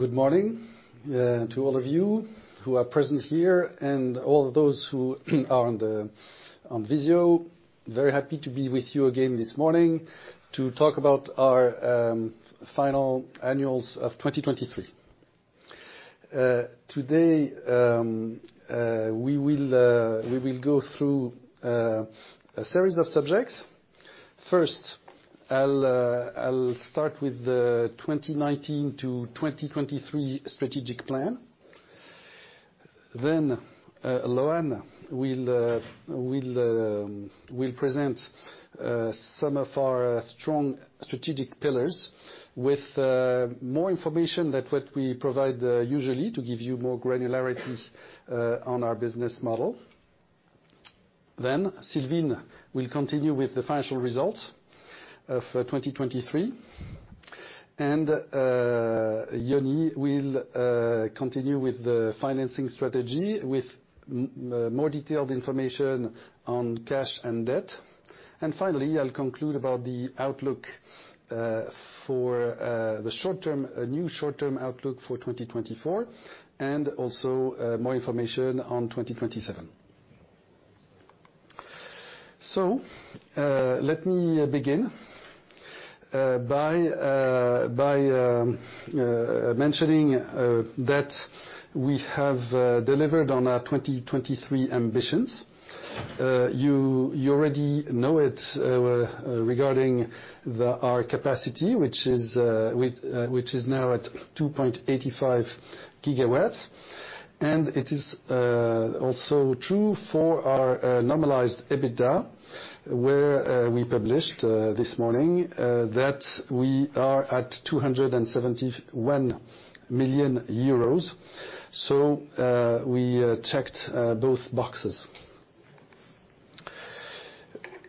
Good morning to all of you who are present here and all of those who are on the video. Very happy to be with you again this morning to talk about our final annual results of 2023. Today we will go through a series of subjects. First, I'll start with the 2019 to 2023 Strategic Plan. Then Loan will present some of our strong strategic pillars with more information than what we provide usually, to give you more granularity on our business model. Then Sylvine will continue with the financial results of 2023, and Yoni will continue with the financing strategy, with more detailed information on cash and debt. And finally, I'll conclude about the outlook for the short term, a new short-term outlook for 2024, and also more information on 2027. So, let me begin by mentioning that we have delivered on our 2023 ambitions. You already know it regarding our capacity, which is now at 2.85 GW. And it is also true for our normalized EBITDA, where we published this morning that we are at 271 million euros. So, we checked both boxes.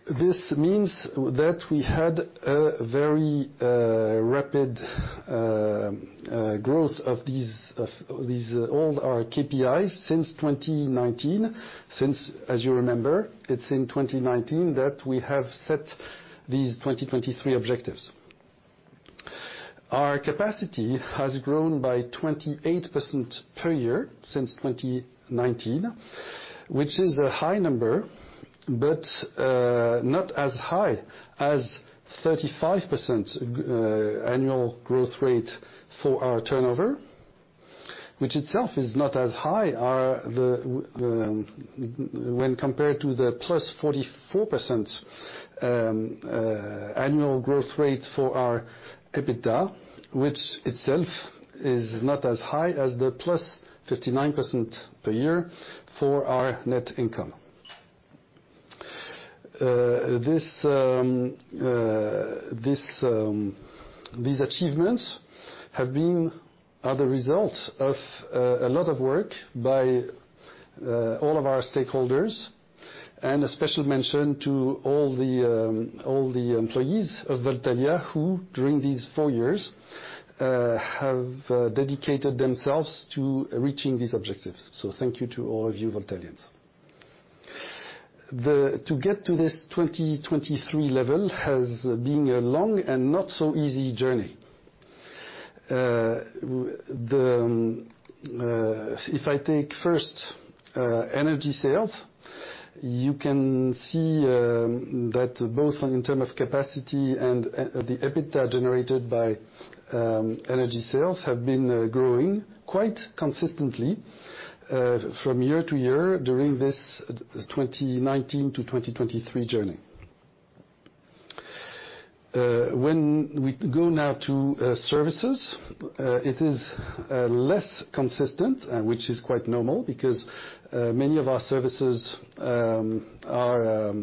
This means that we had a very rapid growth of all our KPIs since 2019. Since, as you remember, it's in 2019 that we have set these 2023 objectives. Our capacity has grown by 28% per year since 2019, which is a high number, but not as high as 35% annual growth rate for our turnover. Which itself is not as high when compared to the +44% annual growth rate for our EBITDA, which itself is not as high as the +59% per year for our net income. These achievements are the result of a lot of work by all of our stakeholders. And a special mention to all the employees of Voltalia, who, during these four years, have dedicated themselves to reaching these objectives. So thank you to all of you, Voltalians. To get to this 2023 level has been a long and not-so-easy journey. If I take first energy sales, you can see that both in terms of capacity and the EBITDA generated by energy sales have been growing quite consistently from year to year during this 2019 to 2023 journey. When we go now to services, it is less consistent, which is quite normal, because many of our services are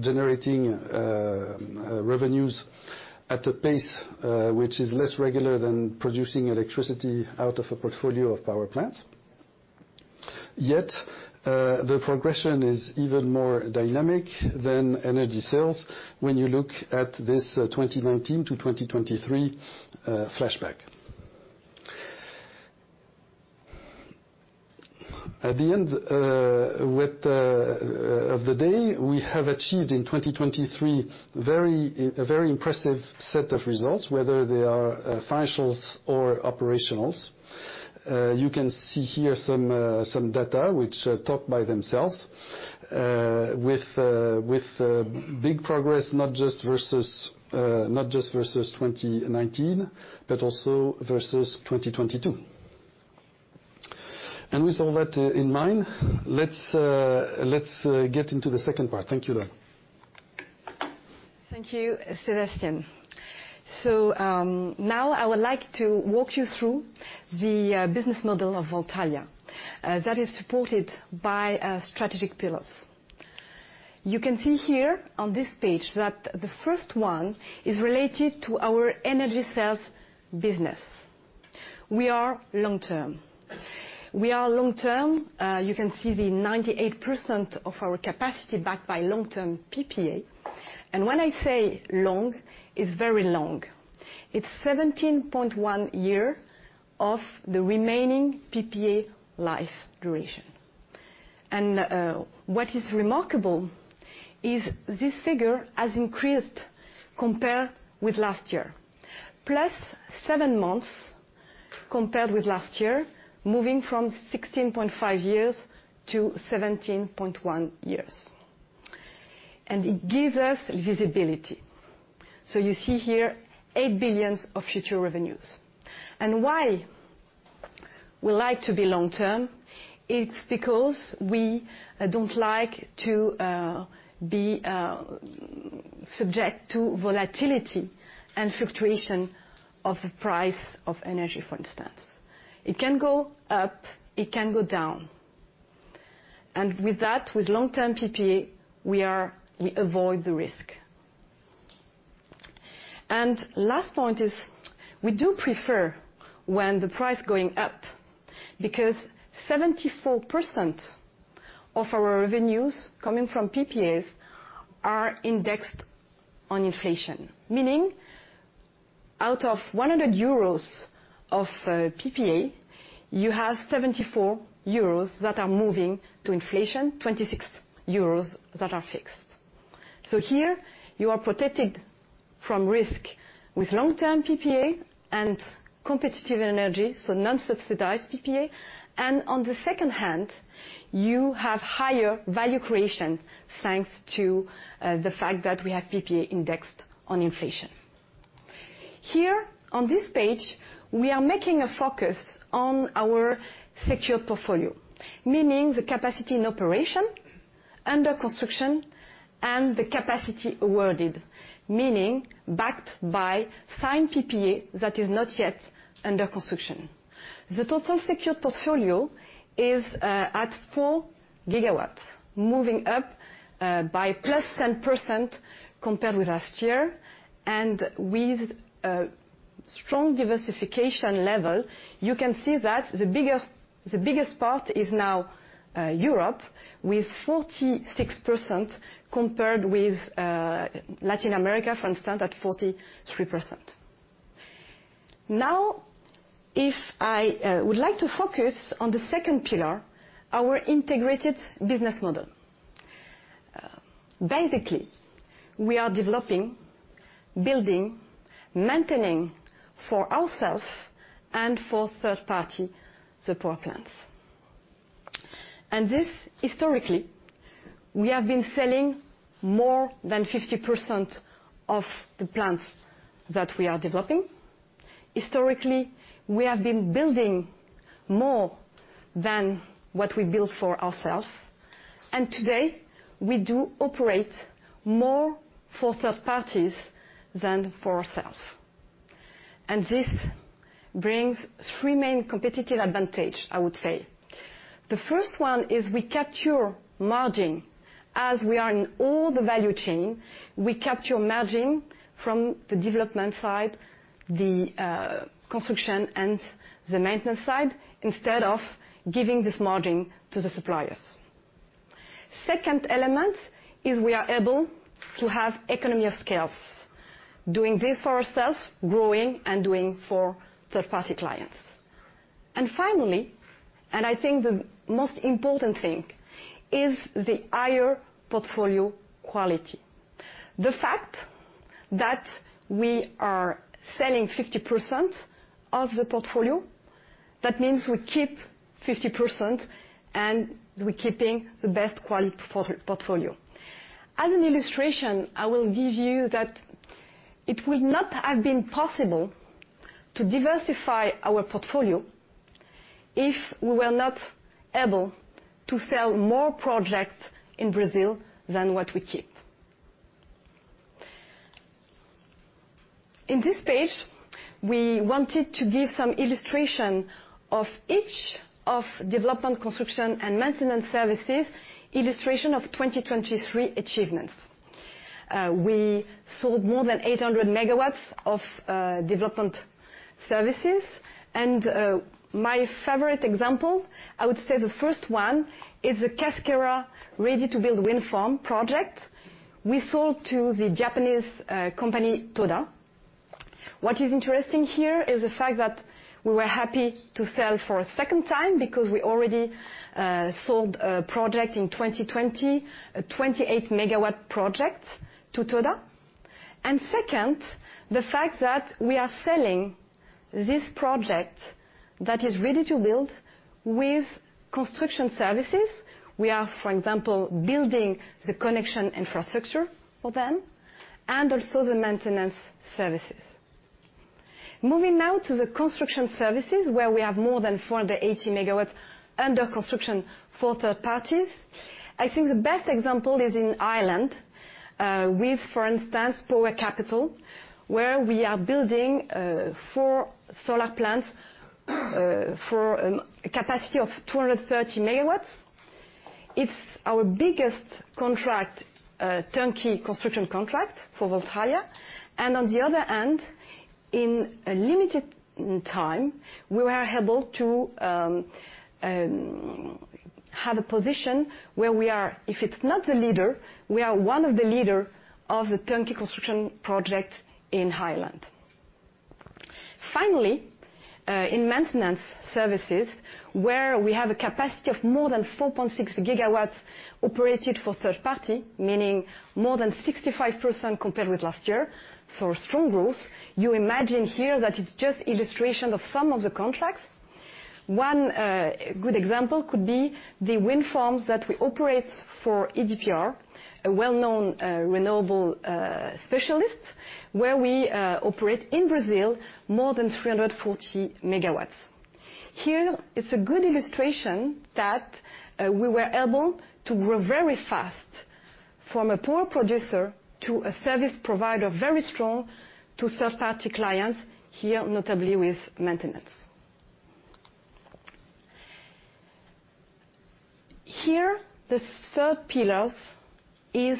generating revenues at a pace which is less regular than producing electricity out of a portfolio of power plants. Yet, the progression is even more dynamic than energy sales when you look at this 2019 to 2023 flashback. At the end of the day, we have achieved in 2023 a very impressive set of results, whether they are financials or operationals. You can see here some data which talk by themselves with big progress, not just versus 2019 but also versus 2022. With all that in mind, let's get into the second part. Thank you, Loan. Thank you, Sébastien. So, now I would like to walk you through the, business model of Voltalia, that is supported by strategic pillars. You can see here on this page that the first one is related to our energy sales business. We are long term. We are long term, you can see the 98% of our capacity backed by long-term PPA. And when I say long, it's very long. It's 17.1 year of the remaining PPA life duration. And, what is remarkable is this figure has increased compared with last year, +7 months compared with last year, moving from 16.5 years to 17.1 years. And it gives us visibility. So you see here, 8 billion of future revenues. And why we like to be long term? It's because we don't like to be subject to volatility and fluctuation of the price of energy, for instance. It can go up, it can go down, and with that, with long-term PPA, we avoid the risk. And last point is, we do prefer when the price going up, because 74% of our revenues coming from PPAs are indexed on inflation. Meaning, out of 100 euros of PPA, you have 74 euros that are moving to inflation, 26 euros that are fixed. So here, you are protected from risk with long-term PPA and competitive energy, so non-subsidized PPA. And on the second hand, you have higher value creation, thanks to the fact that we have PPA indexed on inflation. Here, on this page, we are making a focus on our secured portfolio, meaning the capacity in operation, under construction, and the capacity awarded, meaning backed by signed PPA that is not yet under construction. The total secured portfolio is at 4 GW, moving up by +10% compared with last year, and with a strong diversification level. You can see that the biggest part is now Europe, with 46%, compared with Latin America, for instance, at 43%. Now, if I would like to focus on the second pillar, our integrated business model. Basically, we are developing, building, maintaining for ourselves and for third parties, the power plants. And this, historically, we have been selling more than 50% of the plants that we are developing. Historically, we have been building more than what we built for ourselves, and today, we do operate more for third parties than for ourselves. This brings three main competitive advantage, I would say. The first one is we capture margin. As we are in all the value chain, we capture margin from the development side, the construction and the maintenance side, instead of giving this margin to the suppliers. Second element is we are able to have economy of scales, doing this for ourselves, growing and doing for third-party clients. Finally, and I think the most important thing, is the higher portfolio quality. The fact that we are selling 50% of the portfolio, that means we keep 50%, and we're keeping the best quality portfolio. As an illustration, I will give you that it would not have been possible to diversify our portfolio if we were not able to sell more projects in Brazil than what we keep. In this page, we wanted to give some illustration of each of development, construction and maintenance services, illustration of 2023 achievements. We sold more than 800 MW of development services. My favorite example, I would say the first one, is the Casqueira ready-to-build wind farm project we sold to the Japanese company, Toda Corporation. What is interesting here is the fact that we were happy to sell for a second time, because we already sold a project in 2020, a 28 MW project to Toda. And second, the fact that we are selling this project that is ready-to-build with construction services. We are, for example, building the connection infrastructure for them and also the maintenance services. Moving now to the construction services, where we have more than 480 MW under construction for third parties. I think the best example is in Ireland, with, for instance, Power Capital, where we are building 4 solar plants for a capacity of 230 MW. It's our biggest contract, turnkey construction contract for Voltalia. And on the other hand, in a limited time, we were able to have a position where we are, if it's not the leader, we are one of the leader of the turnkey construction project in Ireland. Finally, in maintenance services, where we have a capacity of more than 4.6 GW operated for third party, meaning more than 65% compared with last year, so strong growth. You imagine here that it's just an illustration of some of the contracts. One good example could be the wind farms that we operate for EDPR, a well-known renewable specialist, where we operate in Brazil more than 340 MW. Here, it's a good illustration that we were able to grow very fast from a poor producer to a service provider, very strong, to third-party clients, here, notably with maintenance. Here, the third pillar is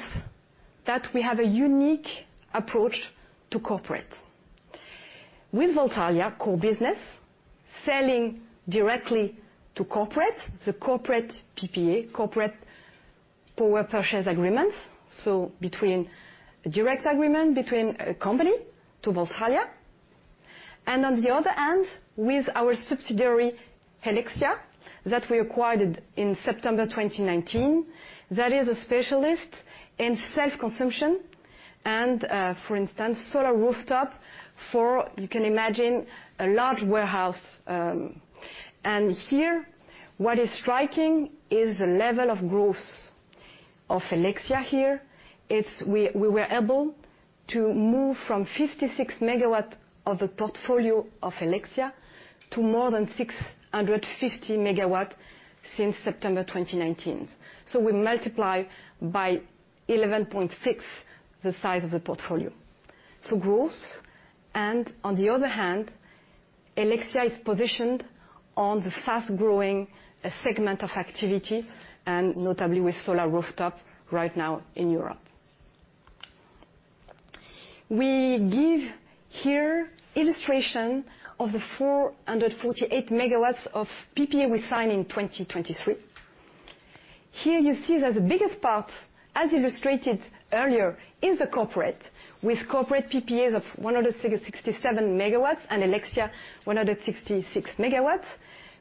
that we have a unique approach to corporate. With Voltalia core business, selling directly to corporate, the corporate PPA, corporate power purchase agreements, so between a direct agreement between a company to Voltalia, and on the other hand, with our subsidiary, Helexia, that we acquired in September 2019. That is a specialist in self-consumption and, for instance, solar rooftop for, you can imagine, a large warehouse. Here, what is striking is the level of growth of Helexia here. We were able to move from 56 MW of the portfolio of Helexia to more than 650 MW since September 2019. So we multiply by 11.6 the size of the portfolio. So growth, and on the other hand, Helexia is positioned on the fast-growing segment of activity, and notably with solar rooftop right now in Europe. We give here illustration of the 448 MW of PPA we signed in 2023. Here you see that the biggest part, as illustrated earlier, is the corporate, with corporate PPAs of 167 MW and Helexia 166 MW.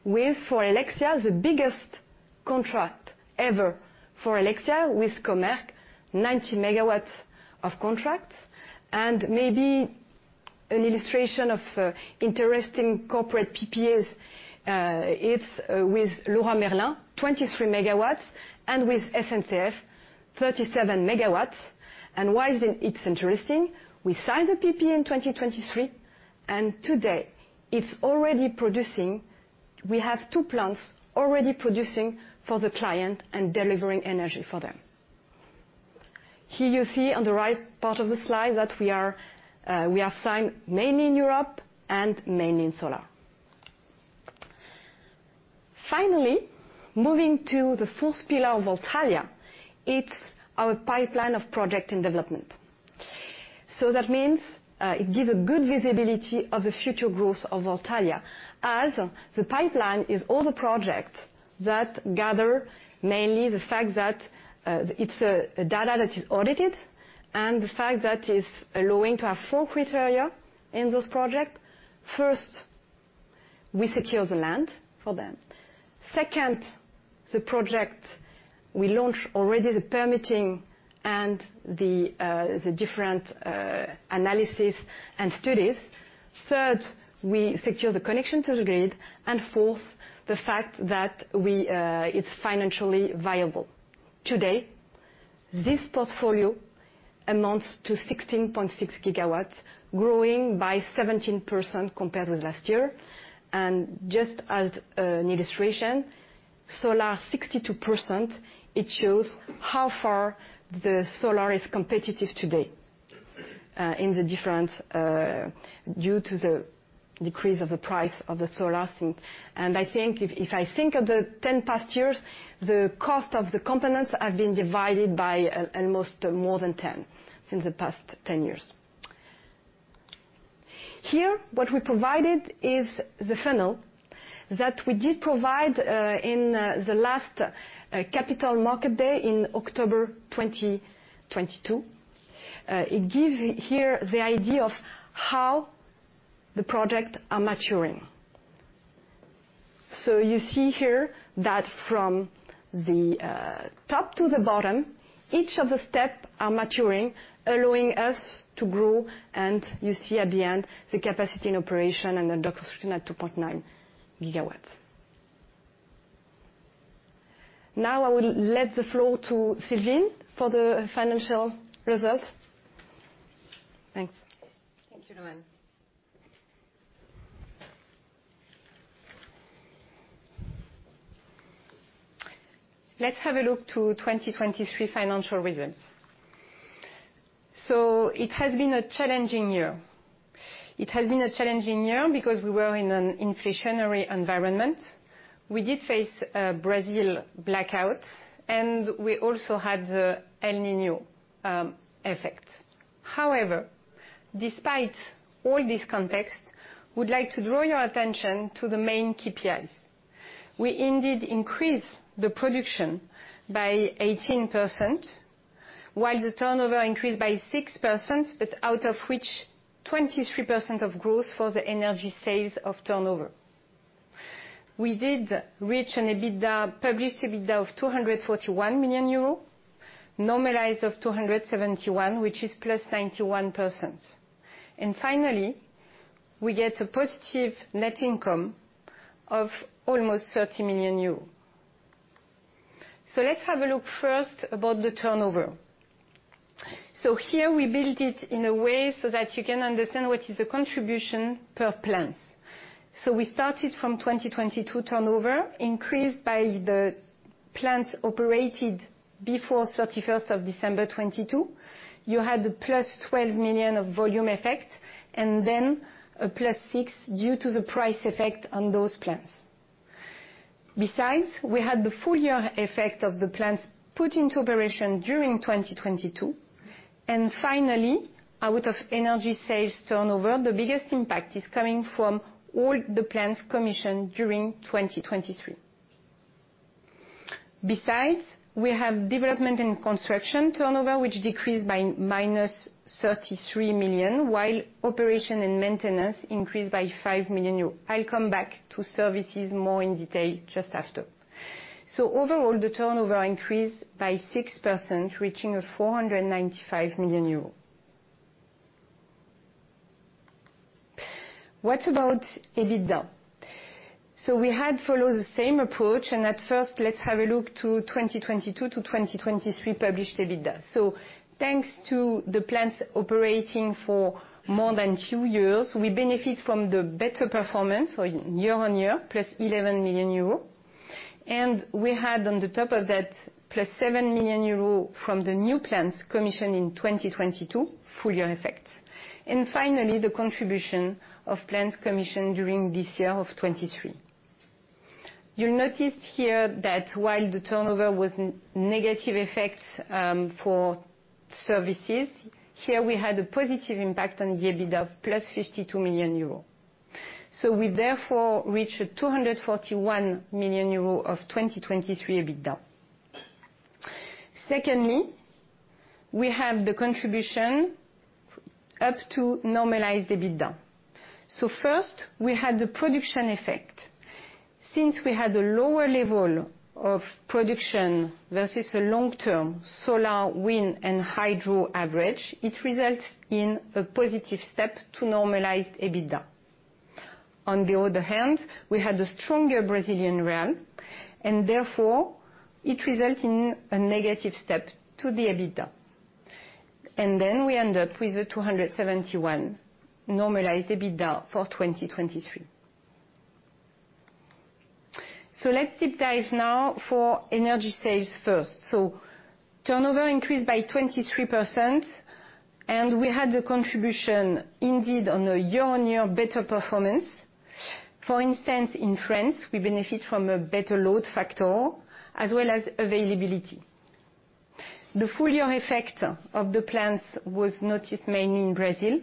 With, for Helexia, the biggest contract ever for Helexia, with Comerc Energia, 90 MW contract. Maybe an illustration of interesting corporate PPAs, it's with Leroy Merlin, 23 MW, and with SNCF Group, 37 MW. Why is it interesting? We signed the PPA in 2023, and today it's already producing, we have two plants already producing for the client and delivering energy for them. Here you see on the right part of the slide that we are, we have signed mainly in Europe and mainly in solar. Finally, moving to the fourth pillar of Voltalia, it's our pipeline of project and development. So that means, it gives a good visibility of the future growth of Voltalia, as the pipeline is all the projects that gather mainly the fact that, it's a data that is audited, and the fact that it's allowing to have four criteria in this project. First, we secure the land for them. Second, the project, we launch already the permitting and the different analysis and studies. Third, we secure the connection to the grid, and fourth, the fact that it's financially viable. Today, this portfolio amounts to 16.6 GW, growing by 17% compared with last year. And just as an illustration, solar, 62%, it shows how far the solar is competitive today, due to the decrease of the price of the solar thing. And I think, if I think of the past 10 years, the cost of the components have been divided by almost more than 10 since the past 10 years. Here, what we provided is the funnel that we did provide in the last Capital Markets Day in October 2022. It gives here the idea of how the projects are maturing. So you see here that from the top to the bottom, each of the steps are maturing, allowing us to grow, and you see at the end, the capacity in operation and the portfolio at 2.9 GW. Now I will give the floor to Sylvine for the financial results. Thanks. Thank you, Loan. Let's have a look to 2023 financial results. So it has been a challenging year. It has been a challenging year because we were in an inflationary environment. We did face a Brazil blackout, and we also had the El Niño effect. However, despite all this context, we'd like to draw your attention to the main KPIs. We indeed increased the production by 18% while the turnover increased by 6%, but out of which, 23% of growth for the energy sales of turnover. We did reach an EBITDA, published EBITDA of 241 million euro, normalized of 271 million, which is +91%. And finally, we get a positive net income of almost 30 million euros. So let's have a look first about the turnover. So here, we build it in a way so that you can understand what is the contribution per plants. So we started from 2022 turnover, increased by the plants operated before December 31, 2022. You had a +12 million volume effect, and then a +6 million, due to the price effect on those plants. Besides, we had the full year effect of the plants put into operation during 2022. And finally, out of energy sales turnover, the biggest impact is coming from all the plants commissioned during 2023. Besides, we have development and construction turnover, which decreased by -33 million, while operation and maintenance increased by 5 million euros. I'll come back to services more in detail just after. So overall, the turnover increased by 6%, reaching EUR 495 million. What about EBITDA? So we had followed the same approach, and at first, let's have a look to 2022 to 2023 published EBITDA. So thanks to the plants operating for more than two years, we benefit from the better performance, so year-on-year, +11 million euro. And we had, on the top of that, +7 million euro from the new plants commissioned in 2022, full year effect. And finally, the contribution of plants commissioned during this year of 2023. You'll notice here that while the turnover was negative effect for services, here we had a positive impact on the EBITDA of +52 million euros. So we therefore reach 241 million euros of 2023 EBITDA. Secondly, we have the contribution up to normalized EBITDA. So first, we had the production effect. Since we had a lower level of production versus a long-term solar, wind, and hydro average, it results in a positive step to normalized EBITDA. On the other hand, we had a stronger Brazilian real, and therefore, it results in a negative step to the EBITDA. Then we end up with a 271 million normalized EBITDA for 2023. Let's deep dive now for energy sales first. Turnover increased by 23%, and we had the contribution indeed on a year-on-year better performance. For instance, in France, we benefited from a better load factor, as well as availability. The full year effect of the plants was noticed mainly in Brazil,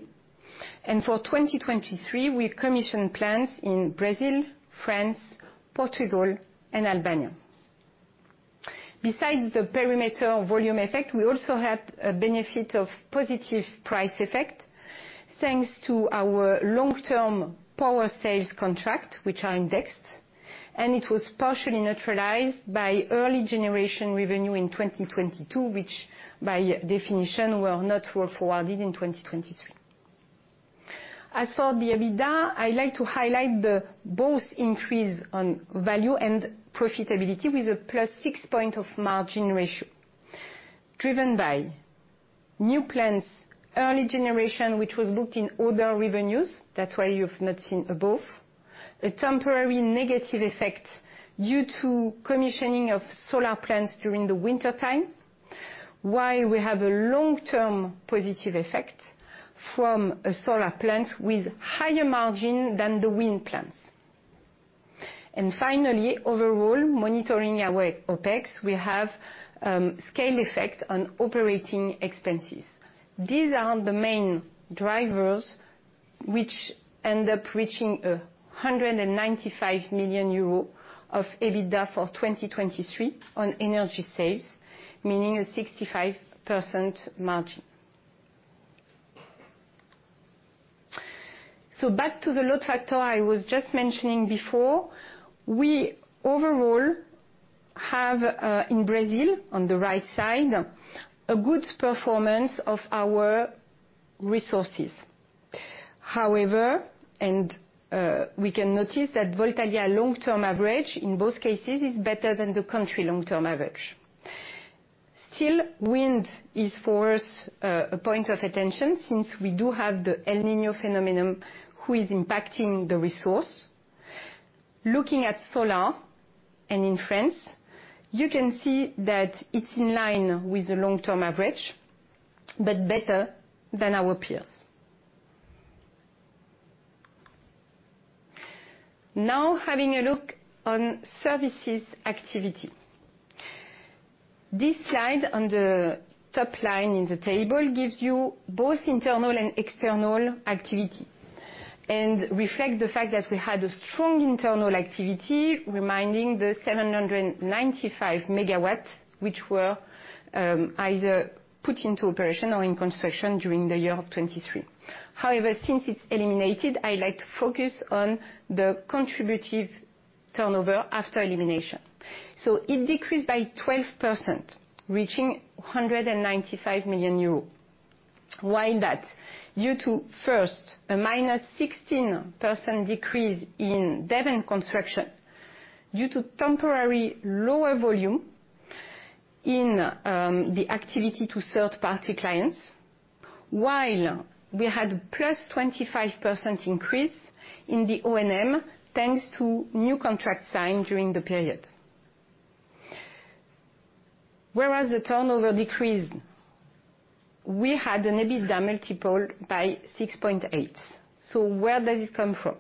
and for 2023, we commissioned plants in Brazil, France, Portugal, and Albania. Besides the perimeter volume effect, we also had a benefit of positive price effect, thanks to our long-term power sales contract, which are indexed, and it was partially neutralized by early generation revenue in 2022, which by definition, were not forwarded in 2023. As for the EBITDA, I'd like to highlight the both increase on value and profitability with a +6-point margin ratio, driven by new plants, early generation, which was booked in other revenues, that's why you've not seen above. A temporary negative effect due to commissioning of solar plants during the wintertime, while we have a long-term positive effect from solar plants with higher margin than the wind plants. And finally, overall, monitoring our OpEx, we have scale effect on operating expenses. These are the main drivers which end up reaching 195 million euro of EBITDA for 2023 on energy sales, meaning a 65% margin. So back to the load factor I was just mentioning before. We overall have, in Brazil, on the right side, a good performance of our resources. However, and, we can notice that Voltalia long-term average, in both cases, is better than the country long-term average. Still, wind is, for us, a point of attention, since we do have the El Niño phenomenon, which is impacting the resource. Looking at solar, and in France, you can see that it's in line with the long-term average, but better than our peers. Now, having a look on services activity. This slide, on the top line in the table, gives you both internal and external activity. and reflect the fact that we had a strong internal activity, representing the 795 MW, which were either put into operation or in construction during the year 2023. However, since it's eliminated, I'd like to focus on the contributive turnover after elimination. So it decreased by 12%, reaching 195 million euros. Why is that? Due to, first, a -16% decrease in dev and construction due to temporary lower volume in the activity to third-party clients, while we had +25% increase in the O&M, thanks to new contracts signed during the period. Whereas the turnover decreased, we had an EBITDA multiplied by 6.8. So where does it come from?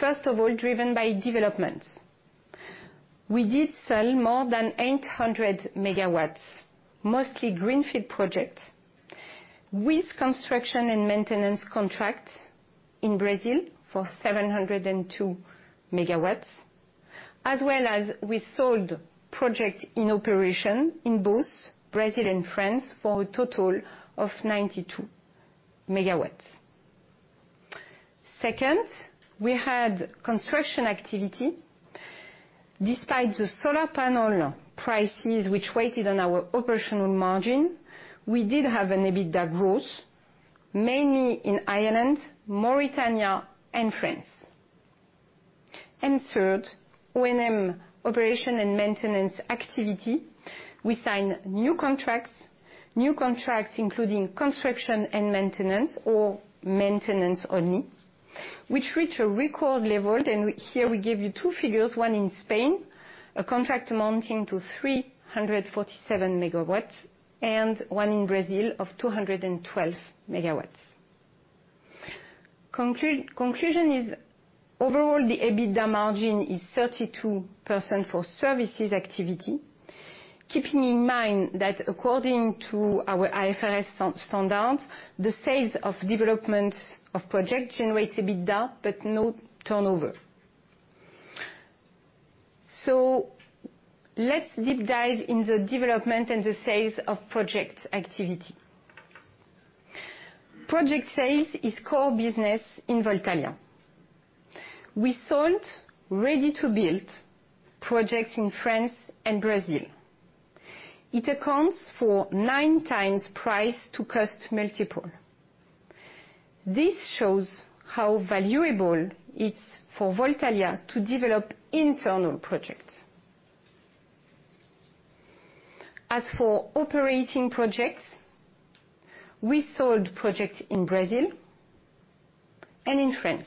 First of all, driven by development. We did sell more than 800 MW, mostly greenfield projects, with construction and maintenance contracts in Brazil for 702 MW, as well as we sold project in operation in both Brazil and France for a total of 92 MW. Second, we had construction activity. Despite the solar panel prices, which weighed on our operational margin, we did have an EBITDA growth, mainly in Ireland, Mauritania, and France. Third, O&M, operation and maintenance activity. We signed new contracts, new contracts, including construction and maintenance or maintenance only, which reached a record level. Here we give you two figures, one in Spain, a contract amounting to 347 MW, and one in Brazil of 212 MW. Conclusion is, overall, the EBITDA margin is 32% for services activity. Keeping in mind that according to our IFRS standards, the sales of developments of project generates EBITDA, but no turnover. So let's deep dive in the development and the sales of projects activity. Project sales is core business in Voltalia. We sold ready-to-build projects in France and Brazil. It accounts for 9x price-to-cost multiple. This shows how valuable it's for Voltalia to develop internal projects. As for operating projects, we sold projects in Brazil and in France.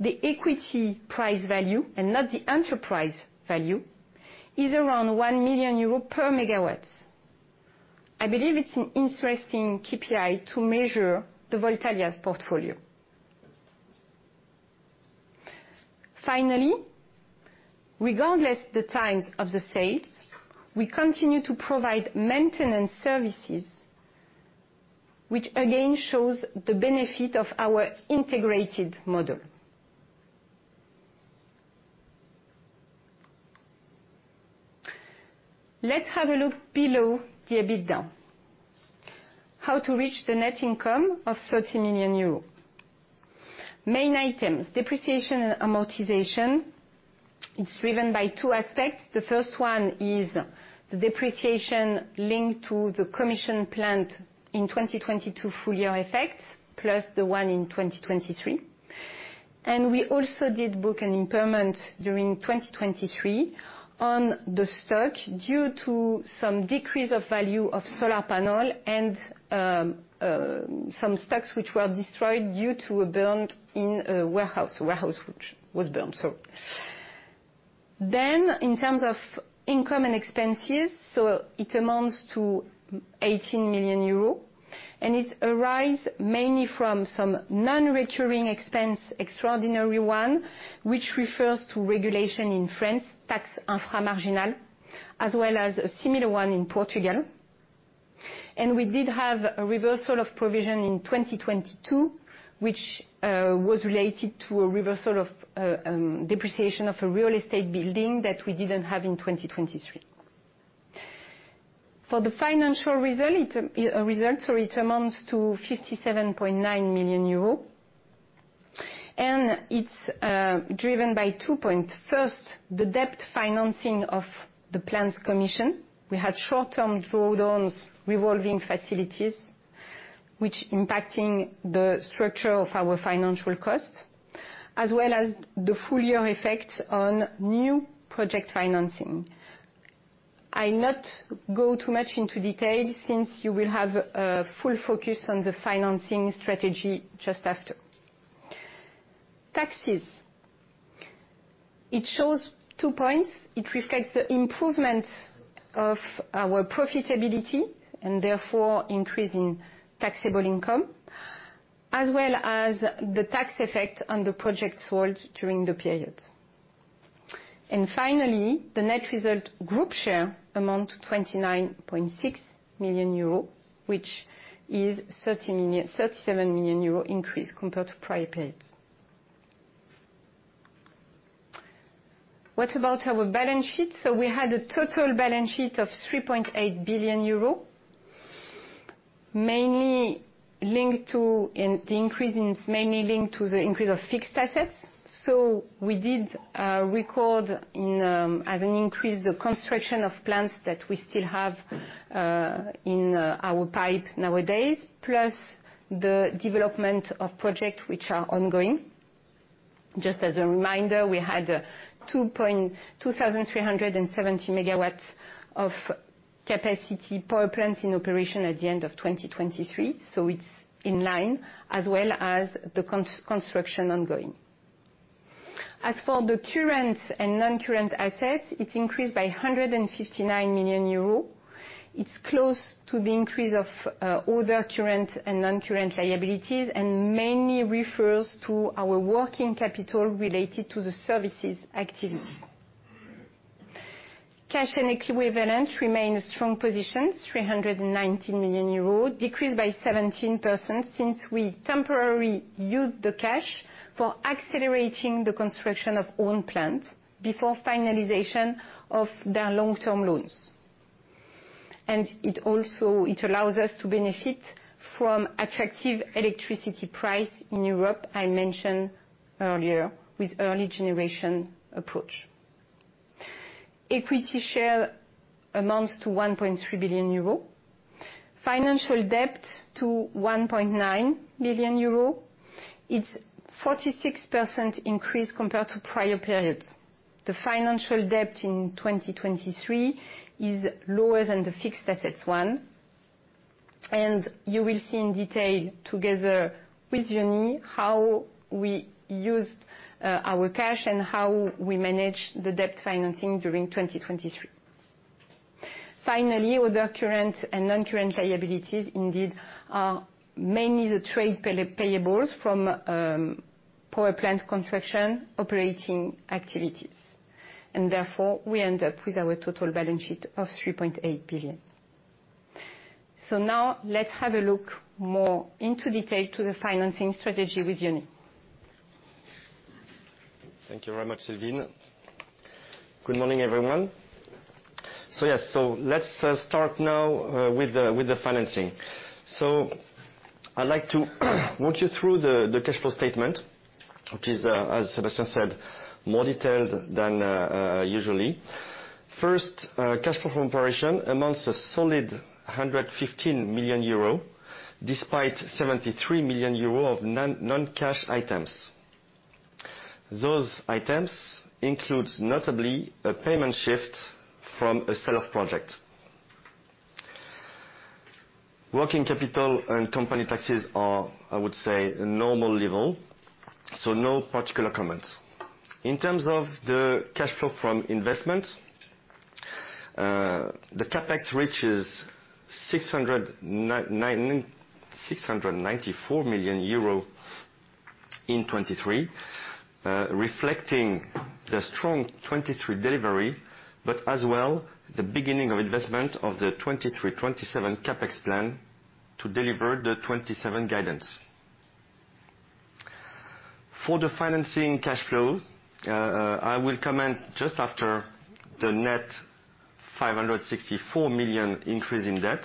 The equity price value, and not the enterprise value, is around 1 million euros/MW. I believe it's an interesting KPI to measure Voltalia's portfolio. Finally, regardless the times of the sales, we continue to provide maintenance services, which again, shows the benefit of our integrated model. Let's have a look below on the EBITDA. How to reach the net income of 30 million euros. Main items, depreciation and amortization, it's driven by two aspects. The first one is the depreciation linked to the commissioned plant in 2022 full year effects, plus the one in 2023. And we also did book an impairment during 2023 on the stock, due to some decrease of value of solar panel and some stocks which were destroyed due to a burn in a warehouse. Then, in terms of income and expenses, it amounts to 18 million euro, and it arises mainly from some non-recurring expense, extraordinary one, which refers to regulation in France, tax infra-marginal, as well as a similar one in Portugal. And we did have a reversal of provision in 2022, which was related to a reversal of depreciation of a real estate building that we didn't have in 2023. For the financial result, so it amounts to 57.9 million euros, and it's driven by two points. First, the debt financing of the plants commissioned. We had short-term drawdowns, revolving facilities, which impacting the structure of our financial costs, as well as the full year effect on new project financing. I'll not go too much into detail, since you will have a full focus on the financing strategy just after. Taxes. It shows two points. It reflects the improvement of our profitability, and therefore increasing taxable income, as well as the tax effect on the project sold during the period. Finally, the net result group share amounts to 29.6 million euro, which is a 37 million euro increase compared to prior period. What about our balance sheet? So we had a total balance sheet of 3.8 billion euro, mainly linked to the increase of fixed assets. So we did record as an increase, the construction of plants that we still have in our pipe nowadays, plus the development of project which are ongoing. Just as a reminder, we had 2,237 MW of capacity power plants in operation at the end of 2023, so it's in line, as well as the construction ongoing. As for the current and non-current assets, it increased by 159 million euros. It's close to the increase of other current and non-current liabilities, and mainly refers to our working capital related to the services activities. Cash and equivalents remain a strong position, 319 million euros, decreased by 17%, since we temporarily used the cash for accelerating the construction of own plant before finalization of their long-term loans. It also allows us to benefit from attractive electricity price in Europe, I mentioned earlier, with early generation approach. Equity share amounts to 1.3 billion euro. Financial debt to 1.9 billion euro. It's 46% increase compared to prior periods. The financial debt in 2023 is lower than the fixed assets one. You will see in detail, together with Yoni, how we used our cash and how we managed the debt financing during 2023. Finally, other current and non-current liabilities, indeed, are mainly the trade payables from power plant construction operating activities, and therefore, we end up with our total balance sheet of 3.8 billion. So now let's have a look more into detail to the financing strategy with Yoni. Thank you very much, Sylvine. Good morning, everyone. So, yes, so let's start now with the financing. So I'd like to walk you through the cash flow statement, which is, as Sébastien said, more detailed than usually. First, cash flow from operation amounts to a solid 115 million euro, despite 73 million euro of non-cash items. Those items includes, notably, a payment shift from a sell-off project. Working capital and company taxes are, I would say, a normal level, so no particular comments. In terms of the cash flow from investment, the CapEx reaches 694 million euro in 2023, reflecting the strong 2023 delivery, but as well, the beginning of investment of the 2023, 2027 CapEx plan to deliver the 2027 guidance. For the financing cash flow, I will comment just after the net 564 million increase in debt,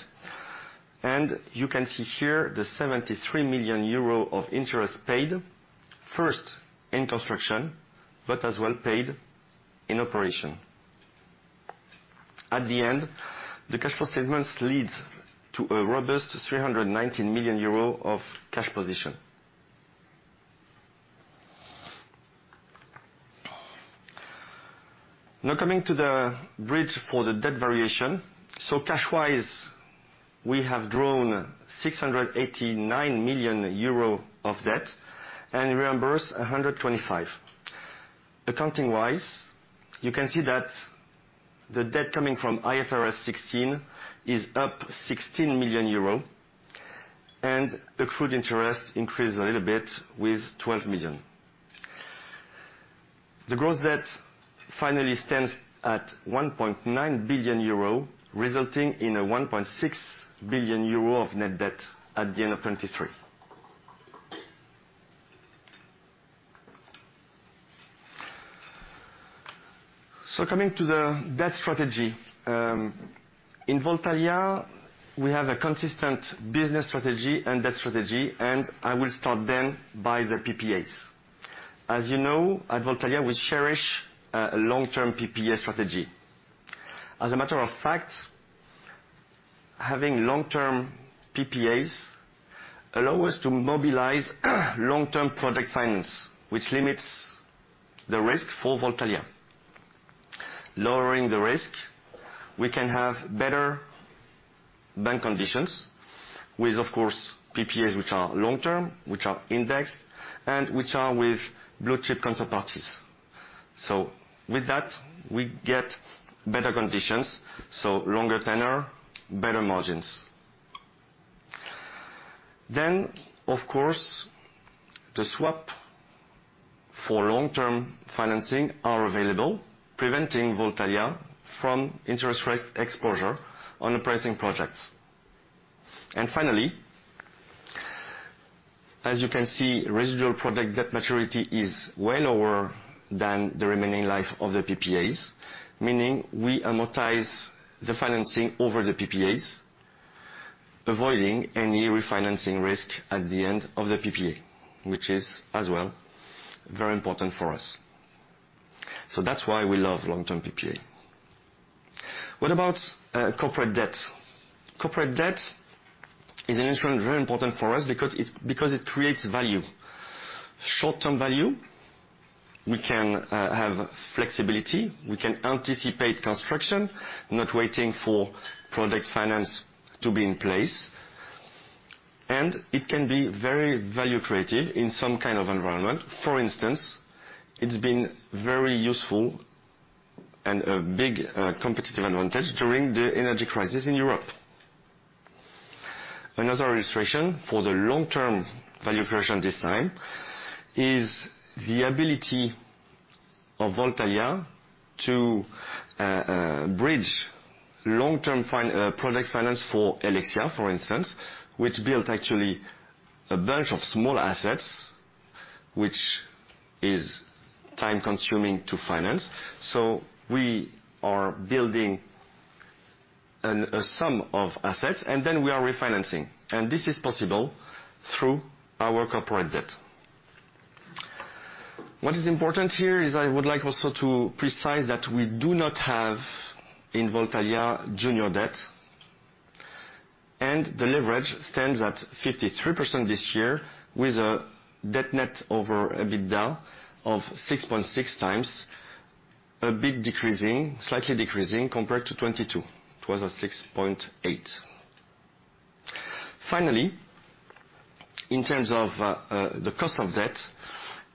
and you can see here the 73 million euro of interest paid, first in construction, but as well paid in operation. At the end, the cash flow statements leads to a robust 319 million euro of cash position. Now, coming to the bridge for the debt variation, so cash-wise, we have drawn 689 million euro of debt and reimbursed 125 million. Accounting-wise, you can see that the debt coming from IFRS 16 is up 16 million euro, and accrued interest increased a little bit with 12 million. The gross debt finally stands at 1.9 billion euro, resulting in a 1.6 billion euro of net debt at the end of 2023. So coming to the debt strategy, in Voltalia, we have a consistent business strategy and debt strategy, and I will start then by the PPAs. As you know, at Voltalia, we cherish a long-term PPA strategy. As a matter of fact, having long-term PPAs allow us to mobilize long-term project finance, which limits the risk for Voltalia. Lowering the risk, we can have better bank conditions with, of course, PPAs, which are long-term, which are indexed, and which are with blue chip counterparties. So with that, we get better conditions, so longer tenor, better margins.... Then, of course, the swap for long-term financing are available, preventing Voltalia from interest rate exposure on the pricing projects. And finally, as you can see, residual project debt maturity is well lower than the remaining life of the PPAs, meaning we amortize the financing over the PPAs, avoiding any refinancing risk at the end of the PPA, which is as well very important for us. So that's why we love long-term PPA. What about corporate debt? Corporate debt is an instrument very important for us because it, because it creates value. Short-term value, we can have flexibility, we can anticipate construction, not waiting for project finance to be in place, and it can be very value creative in some kind of environment. For instance, it's been very useful and a big competitive advantage during the energy crisis in Europe. Another illustration for the long-term value creation design is the ability of Voltalia to bridge long-term project finance for Helexia, for instance, which built actually a bunch of small assets, which is time-consuming to finance. So we are building a sum of assets, and then we are refinancing, and this is possible through our corporate debt. What is important here is I would like also to precise that we do not have, in Voltalia, junior debt, and the leverage stands at 53% this year, with a net debt over EBITDA of 6.6 times, a bit decreasing, slightly decreasing compared to 2022. It was at 6.8. Finally, in terms of the cost of debt,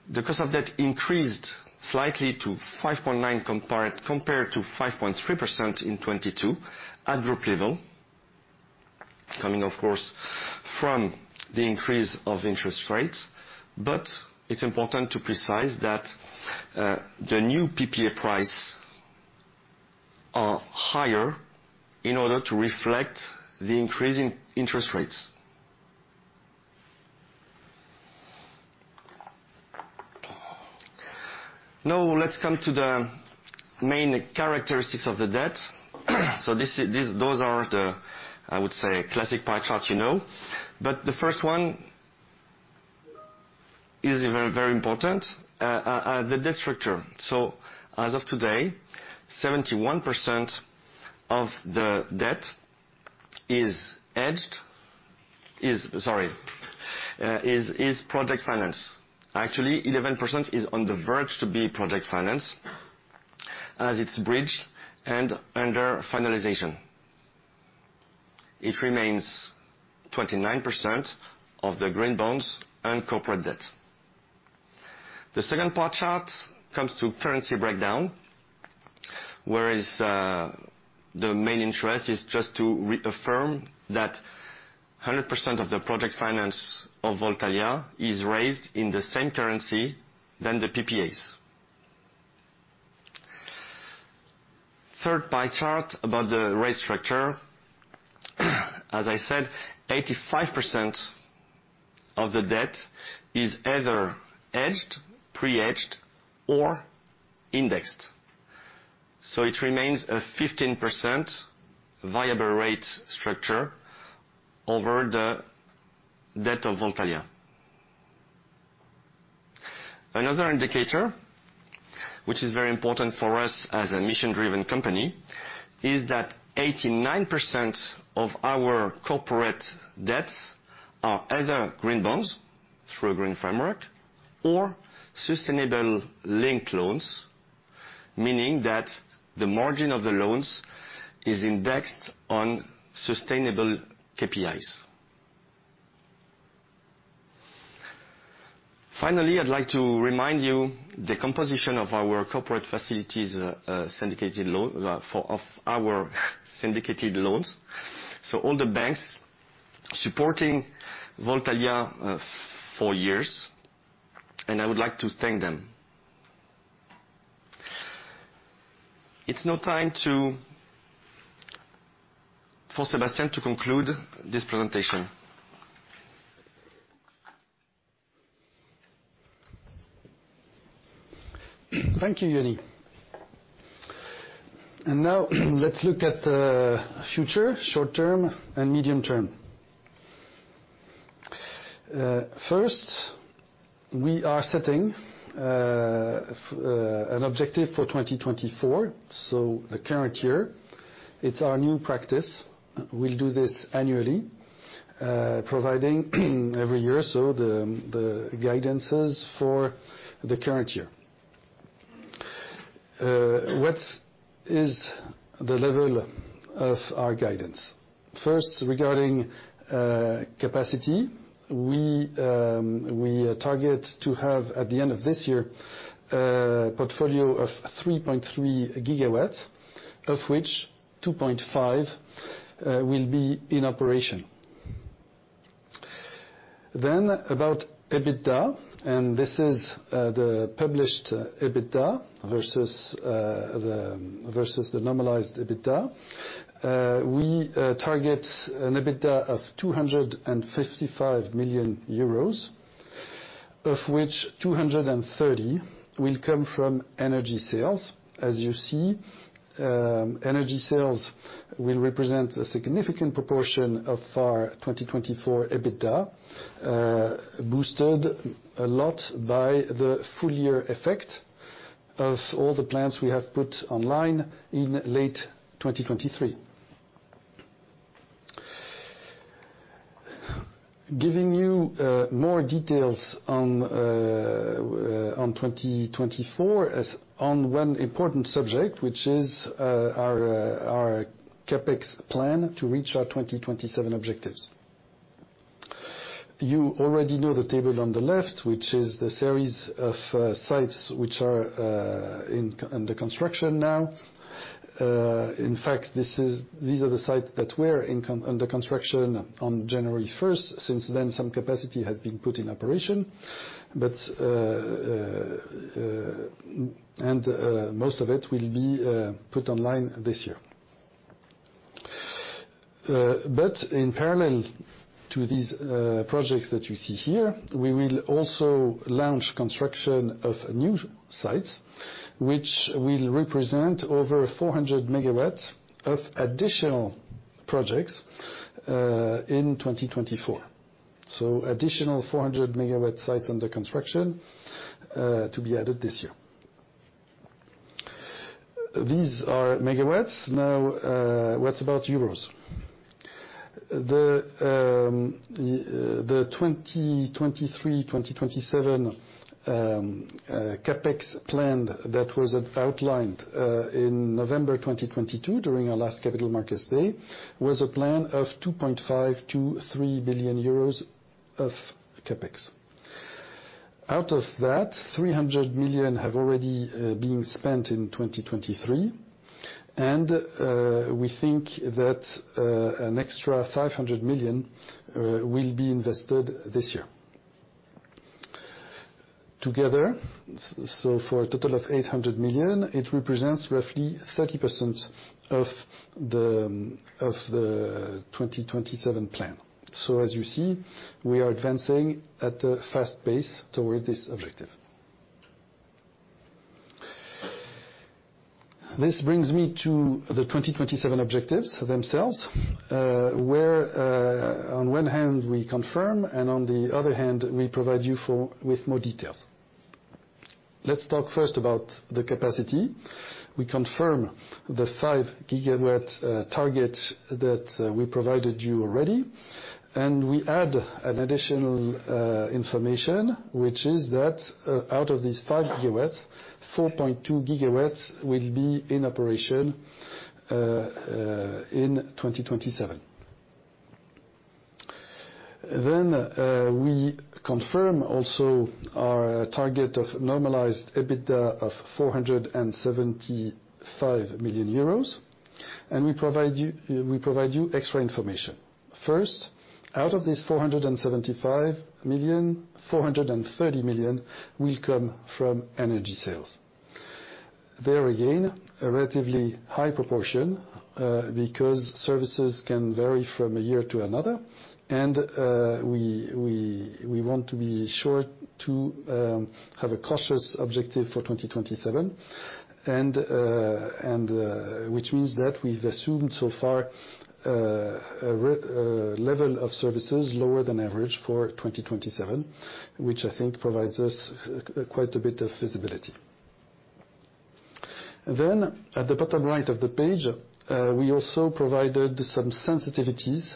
the cost of debt increased slightly to 5.9%, compared to 5.3% in 2022 at group level, coming of course from the increase of interest rates. But it's important to precise that the new PPA price are higher in order to reflect the increasing interest rates. Now, let's come to the main characteristics of the debt. So those are the, I would say, classic pie chart, you know. But the first one is very, very important, the debt structure. So as of today, 71% of the debt is project finance. Actually, 11% is on the verge to be project finance, as it's bridged and under finalization. It remains 29% of the green bonds and corporate debt. The second pie chart comes to currency breakdown, whereas the main interest is just to reaffirm that 100% of the project finance of Voltalia is raised in the same currency than the PPAs. The third pie chart is about the rate structure. As I said, 85% of the debt is either hedged, pre-hedged, or indexed. So it remains a 15% variable rate structure over the debt of Voltalia. Another indicator, which is very important for us as a mission-driven company, is that 89% of our corporate debts are either green bonds, through a green framework, or sustainability-linked loans, meaning that the margin of the loans is indexed on sustainable KPIs. Finally, I'd like to remind you the composition of our corporate facilities, syndicated loan, form of our syndicated loans. All the banks supporting Voltalia for years, and I would like to thank them. It's now time for Sébastien to conclude this presentation. Thank you, Yoni. Now, let's look at the future, short term and medium term. First, we are setting an objective for 2024, so the current year. It's our new practice. We'll do this annually, providing every year the guidances for the current year. What is the level of our guidance? First, regarding capacity, we target to have, at the end of this year, a portfolio of 3.3 GW, of which 2.5 GW will be in operation. About EBITDA, and this is the published EBITDA versus the normalized EBITDA. We target an EBITDA of 255 million euros, of which 230 million will come from energy sales. As you see, energy sales will represent a significant proportion of our 2024 EBITDA, boosted a lot by the full year effect of all the plants we have put online in late 2023. Giving you more details on 2024, as on one important subject, which is our CapEx plan to reach our 2027 objectives. You already know the table on the left, which is the series of sites which are under construction now. In fact, these are the sites that were under construction on January 1st. Since then, some capacity has been put in operation, but and most of it will be put online this year. But in parallel to these projects that you see here, we will also launch construction of new sites, which will represent over 400 MW of additional projects in 2024. So additional 400 MW sites under construction to be added this year. These are MW. Now, what about euros? The 2023-2027 CapEx plan that was outlined in November 2022, during our last Capital Markets Day, was a plan of 2.5 billion-3 billion euros of CapEx. Out of that, 300 million have already been spent in 2023, and we think that an extra 500 million will be invested this year. Together, so for a total of 800 million, it represents roughly 30% of the 2027 plan. So as you see, we are advancing at a fast pace toward this objective. This brings me to the 2027 objectives themselves, where, on one hand, we confirm, and on the other hand, we provide you with more details. Let's talk first about the capacity. We confirm the 5 GW target that we provided you already, and we add an additional information, which is that, out of these 5 GW, 4.2 GW will be in operation in 2027. Then, we confirm also our target of normalized EBITDA of 475 million euros, and we provide you, we provide you extra information. First, out of these 475 million, 430 million will come from energy sales. There again, a relatively high proportion, because services can vary from a year to another, and we want to be sure to have a cautious objective for 2027. And which means that we've assumed, so far, a level of services lower than average for 2027, which I think provides us quite a bit of visibility. Then, at the bottom right of the page, we also provided some sensitivities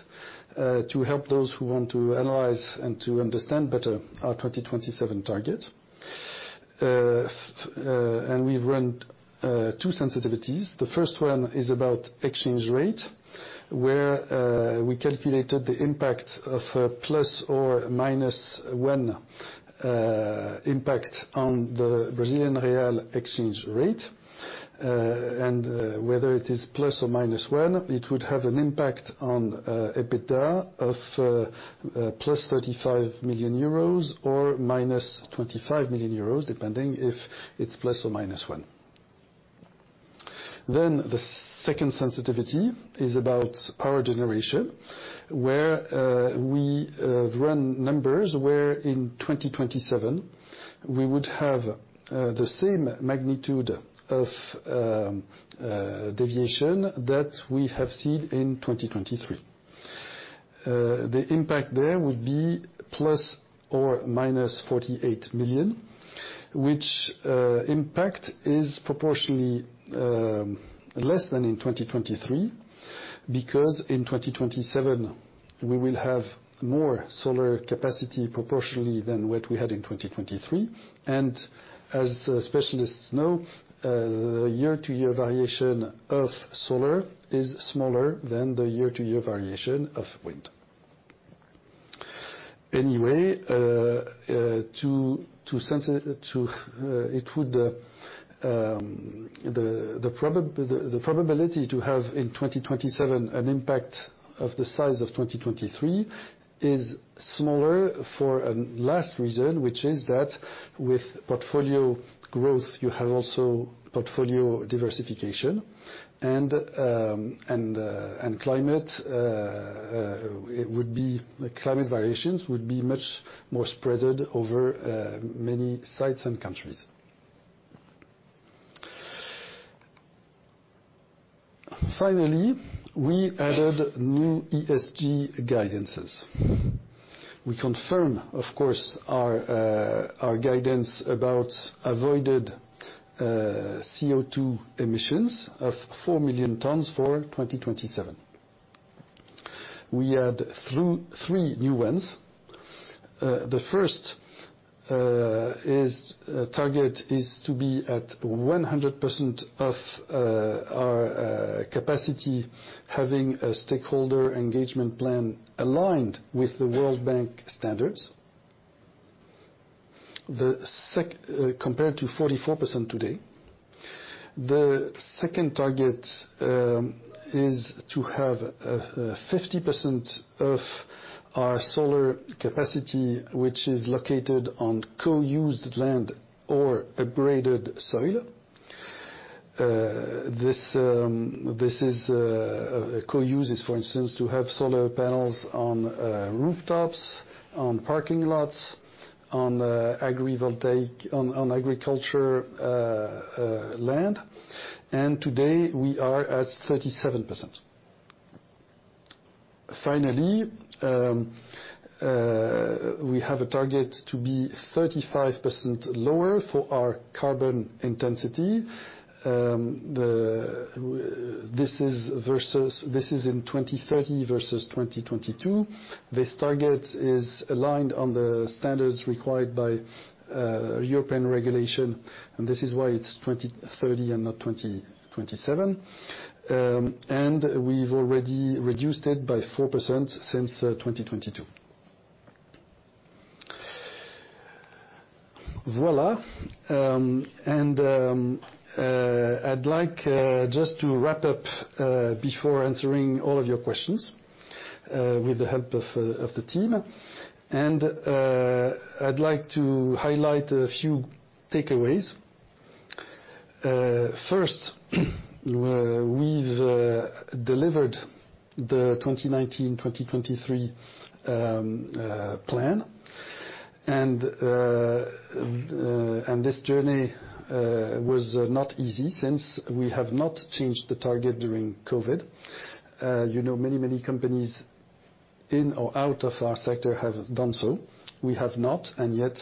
to help those who want to analyze and to understand better our 2027 target. And we've run two sensitivities. The first one is about exchange rate, where we calculated the impact of a ±1 impact on the Brazilian real exchange rate. Whether it is ±1, it would have an impact on EBITDA of +35 million euros or -25 million euros, depending if it's ±1. Then the second sensitivity is about power generation, where we run numbers, where in 2027, we would have the same magnitude of deviation that we have seen in 2023. The impact there would be ±48 million, which impact is proportionally less than in 2023, because in 2027, we will have more solar capacity proportionally than what we had in 2023. As specialists know, the year-to-year variation of solar is smaller than the year-to-year variation of wind. Anyway, to sense it, the probability to have in 2027 an impact of the size of 2023 is smaller for a last reason, which is that with portfolio growth, you have also portfolio diversification. And the climate variations would be much more spread over many sites and countries. Finally, we added new ESG guidances. We confirm, of course, our guidance about avoided CO2 emissions of 4 million tons for 2027. We add three new ones. The first target is to be at 100% of our capacity, having a stakeholder engagement plan aligned with the World Bank standards, compared to 44% today. The second target is to have 50% of our solar capacity, which is located on co-used land or degraded soil. This is co-uses, for instance, to have solar panels on rooftops, on parking lots, on agrivoltaic, on agriculture land, and today we are at 37%. Finally, we have a target to be 35% lower for our carbon intensity. This is in 2030 versus 2022. This target is aligned on the standards required by European regulation, and this is why it's 2030 and not 2027. And we've already reduced it by 4% since 2022. Voilà! And I'd like just to wrap up before answering all of your questions with the help of of the team. And I'd like to highlight a few takeaways. First, we've delivered the 2019-2023 plan, and this journey was not easy since we have not changed the target during COVID. You know, many companies in or out of our sector have done so. We have not, and yet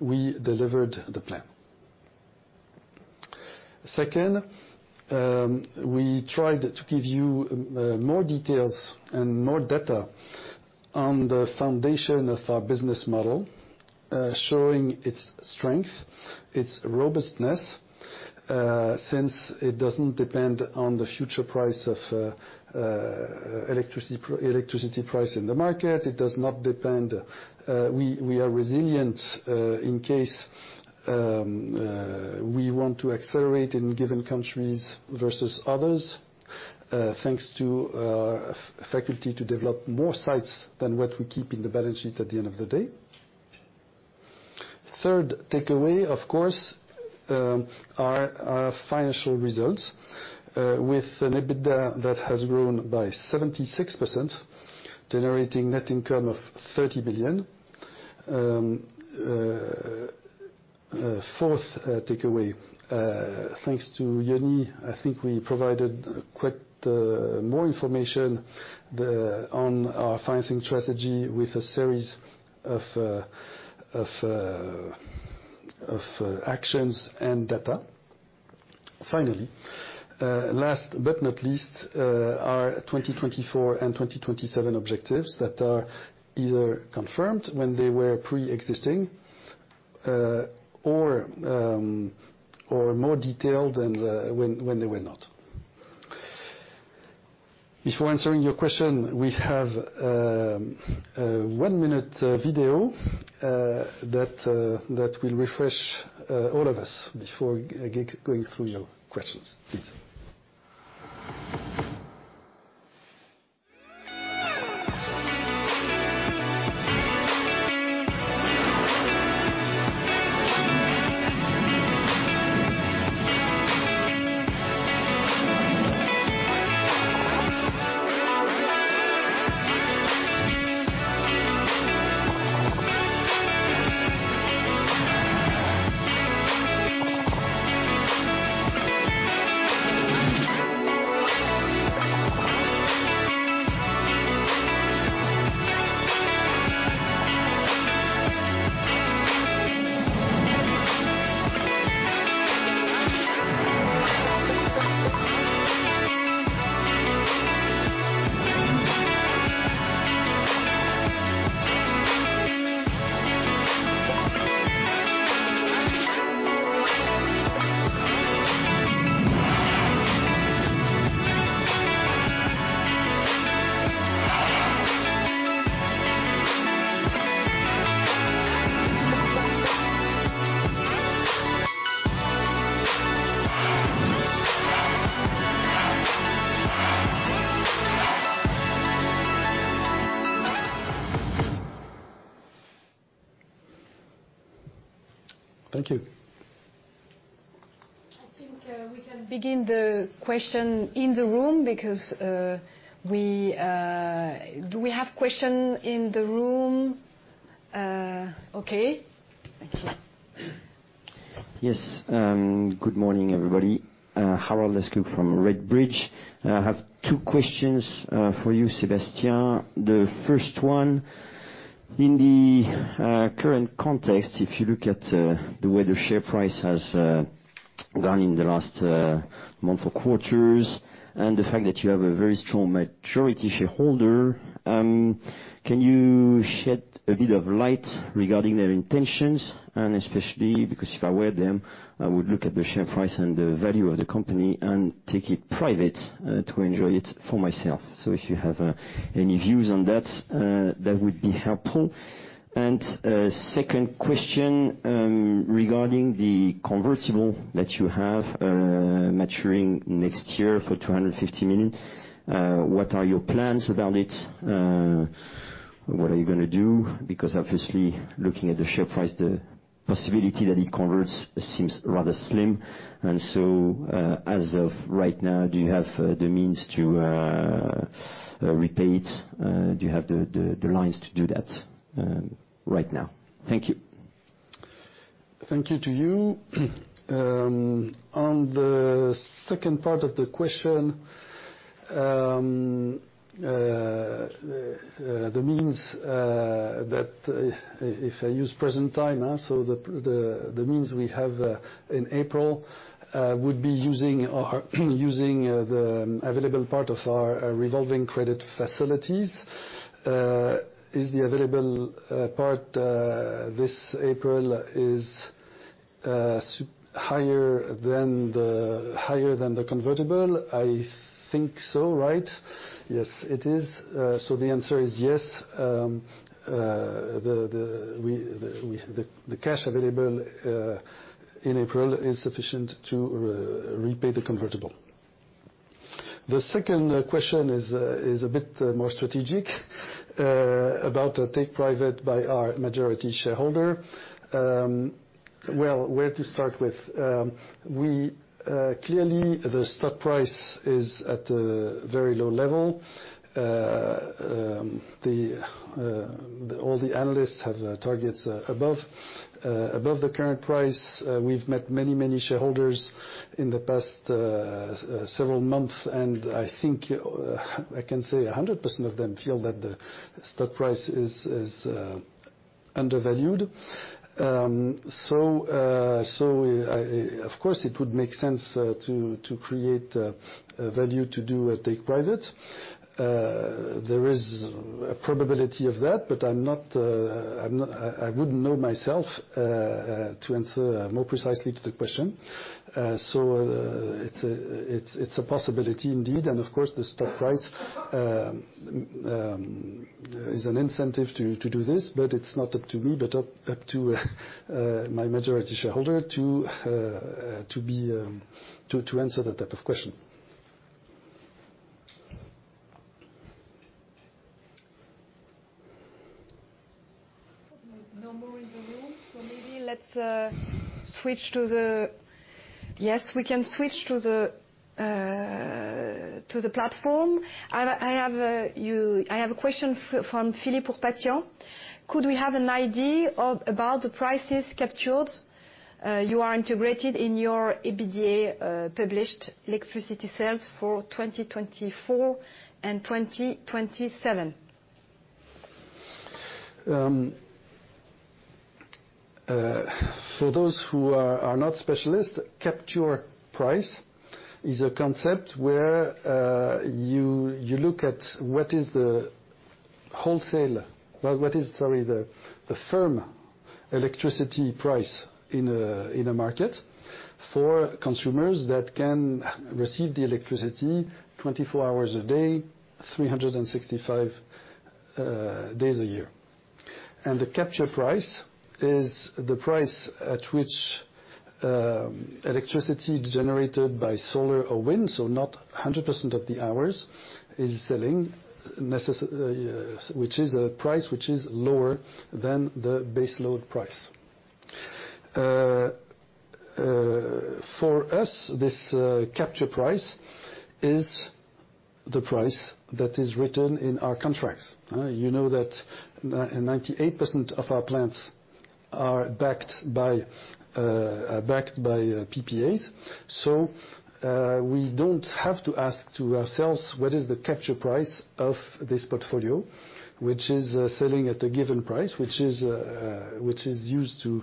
we delivered the plan. Second, we tried to give you more details and more data on the foundation of our business model, showing its strength, its robustness, since it doesn't depend on the future price of electricity in the market. It does not depend. We are resilient in case we want to accelerate in given countries versus others, thanks to the ability to develop more sites than what we keep in the balance sheet at the end of the day. Third takeaway, of course, are our financial results, with an EBITDA that has grown by 76%, generating net income of 30 million. Fourth takeaway, thanks to Yoni, I think we provided quite more information on our financing strategy with a series of actions and data. Finally, last but not least, our 2024 and 2027 objectives that are either confirmed when they were preexisting, or more detailed than when they were not. Before answering your question, we have a 1-minute video that will refresh all of us before going through your questions. Thank you. I think we can begin the questions in the room. Do we have questions in the room? Okay. Thank you. Yes. Good morning, everybody. Harold Lescure from Redburn. I have two questions, for you, Sébastien. The first one, in the current context, if you look at the way the share price has gone in the last months or quarters, and the fact that you have a very strong majority shareholder, can you shed a bit of light regarding their intentions? And especially because if I were them, I would look at the share price and the value of the company and take it private, to enjoy it for myself. So if you have any views on that, that would be helpful. And second question, regarding the convertible that you have maturing next year for 250 million. What are your plans about it? What are you gonna do? Because obviously, looking at the share price, the possibility that it converts seems rather slim. And so, as of right now, do you have the means to repay it? Do you have the lines to do that right now? Thank you. Thank you to you. On the second part of the question, the means that if I use present time, so the means we have in April would be using our the available part of our revolving credit facilities. Is the available part this April higher than the convertible? I think so, right? Yes, it is. So the answer is yes. The cash available in April is sufficient to repay the convertible. The second question is a bit more strategic about a take private by our majority shareholder. Well, where to start with? Clearly, the stock price is at a very low level. All the analysts have targets above the current price. We've met many shareholders in the past several months, and I think I can say 100% of them feel that the stock price is undervalued. So, of course, it would make sense to create a value to do a take private. There is a probability of that, but I'm not, I wouldn't know myself to answer more precisely to the question. So, it's a possibility indeed, and of course, the stock price is an incentive to do this, but it's not up to me, but up to my majority shareholder to answer that type of question. No more in the room, so maybe let's switch to the, es, we can switch to the platform. I have a question from Philippe Ourpatian. Could we have an idea about the capture prices you are integrated in your EBITDA, published electricity sales for 2024 and 2027? For those who are not specialists, capture price is a concept where you look at what is the wholesale, sorry, the firm electricity price in a market for consumers that can receive the electricity 24 hours a day, 365 days a year. The capture price is the price at which electricity generated by solar or wind, so not 100% of the hours, is selling, necessarily, which is a price which is lower than the baseload price. For us, this capture price is the price that is written in our contracts? You know that 98% of our plants are backed by PPAs. So, we don't have to ask ourselves, what is the capture price of this portfolio, which is selling at a given price, which is used to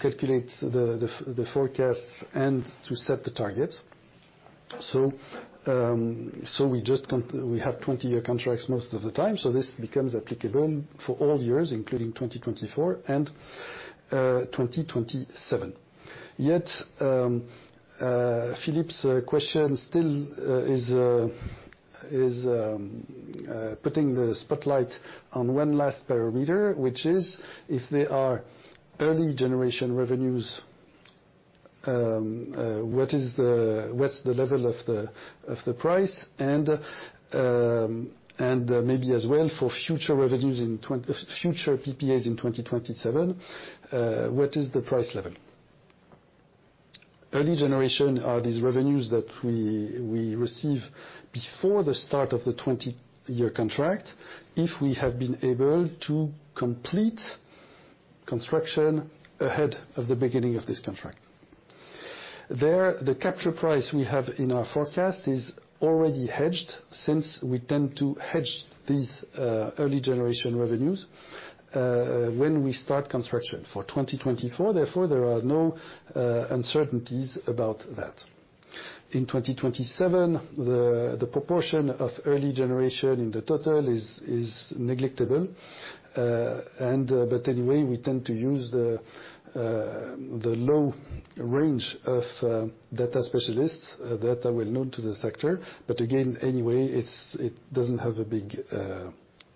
calculate the forecast and to set the targets. So, we just have 20-year contracts most of the time, so this becomes applicable for all years, including 2024. And 2027. Yet, Philippe's question still is putting the spotlight on one last parameter, which is if there are early generation revenues, what is the level of the price? And maybe as well, for future PPAs in 2027, what is the price level? Early generation are these revenues that we receive before the start of the 20-year contract, if we have been able to complete construction ahead of the beginning of this contract. There, the capture price we have in our forecast is already hedged, since we tend to hedge these early generation revenues when we start construction. For 2024, therefore, there are no uncertainties about that. In 2027, the proportion of early generation in the total is negligible. And, but anyway, we tend to use the low range of data specialists data well-known to the sector. But again, anyway, it doesn't have a big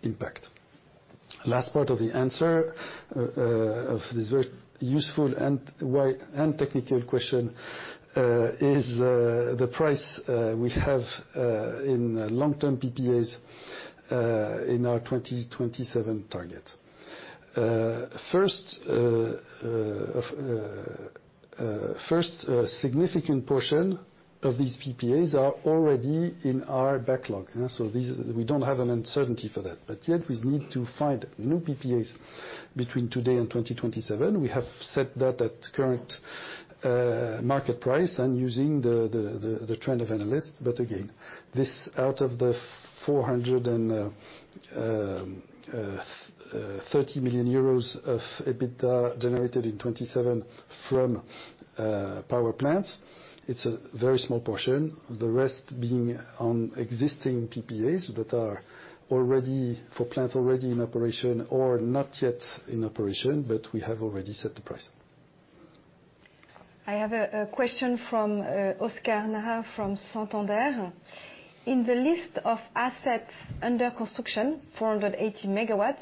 impact. Last part of the answer of this very useful and wide and technical question is the price we have in long-term PPAs in our 2027 target. First, significant portion of these PPAs are already in our backlog, so we don't have an uncertainty for that. But yet, we need to find new PPAs between today and 2027. We have set that at current market price and using the trend of analysts. But again, this out of the 430 million euros of EBITDA generated in 2027 from power plants, it's a very small portion, the rest being on existing PPAs that are already for plants already in operation or not yet in operation, but we have already set the price. I have a question from Oscar Najar, from Santander. In the list of assets under construction, 480 MW,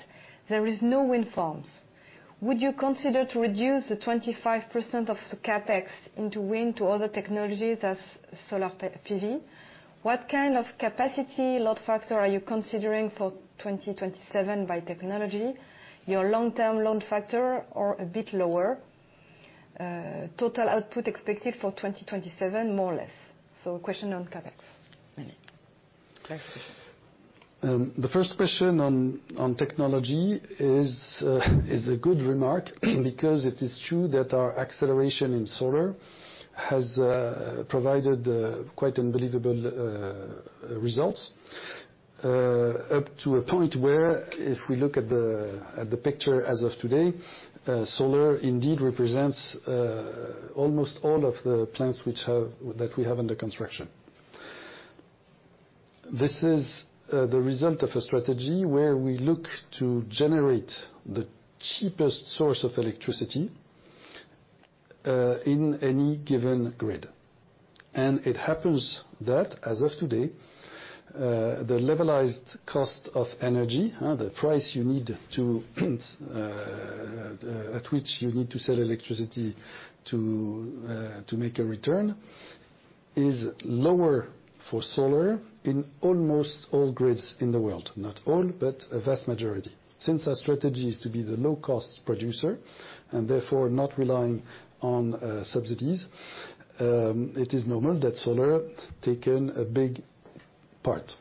there is no wind farms. Would you consider to reduce the 25% of the CapEx into wind to other technologies, as solar PV? What kind of capacity load factor are you considering for 2027 by technology? Your long-term load factor or a bit lower, total output expected for 2027, more or less? So question on CapEx. The first question on technology is a good remark, because it is true that our acceleration in solar has provided quite unbelievable results. Up to a point where if we look at the picture as of today, solar indeed represents almost all of the plants that we have under construction. This is the result of a strategy where we look to generate the cheapest source of electricity in any given grid. And it happens that, as of today, the levelized cost of energy, the price you need to at which you need to sell electricity to make a return, is lower for solar in almost all grids in the world. Not all, but a vast majority. Since our strategy is to be the low-cost producer, and therefore not relying on subsidies, it is normal that solar taken a big part.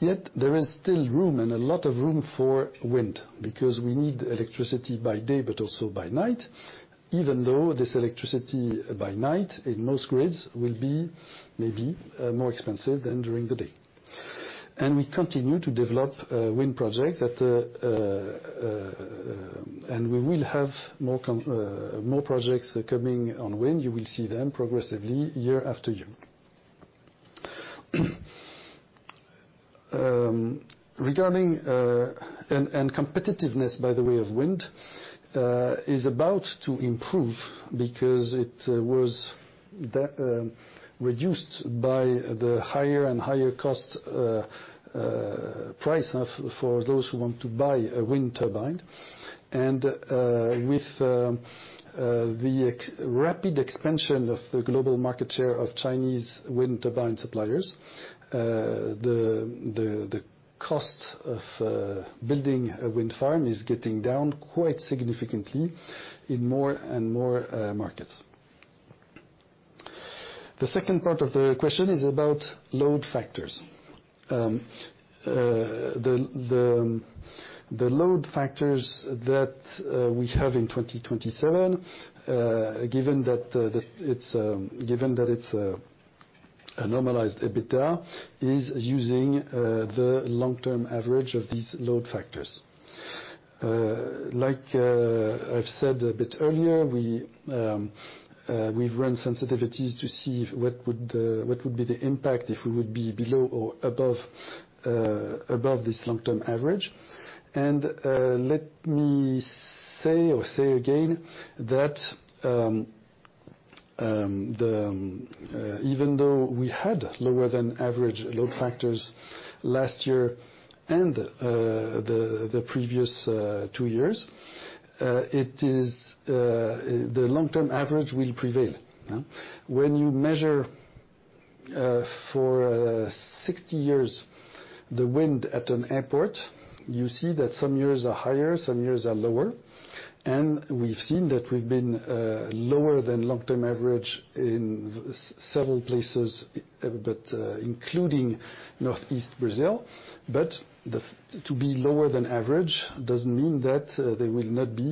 Yet, there is still room, and a lot of room for wind, because we need electricity by day, but also by night, even though this electricity by night, in most grids, will be maybe more expensive than during the day. And we continue to develop wind projects, and we will have more projects coming on wind. You will see them progressively, year after year. And competitiveness, by the way of wind is about to improve because it was reduced by the higher and higher cost price of- for those who want to buy a wind turbine. With the rapid expansion of the global market share of Chinese wind turbine suppliers, the cost of building a wind farm is getting down quite significantly in more and more markets. The second part of the question is about load factors. The load factors that we have in 2027, given that it's a normalized EBITDA, is using the long-term average of these load factors. Like I've said a bit earlier, we've run sensitivities to see what would be the impact if we would be below or above this long-term average. Let me say, or say again, that even though we had lower than average load factors last year and the previous two years, it is the long-term average will prevail, yeah? When you measure for 60 years, the wind at an airport, you see that some years are higher, some years are lower. And we've seen that we've been lower than long-term average in several places, but including Northeast Brazil. But to be lower than average doesn't mean that there will not be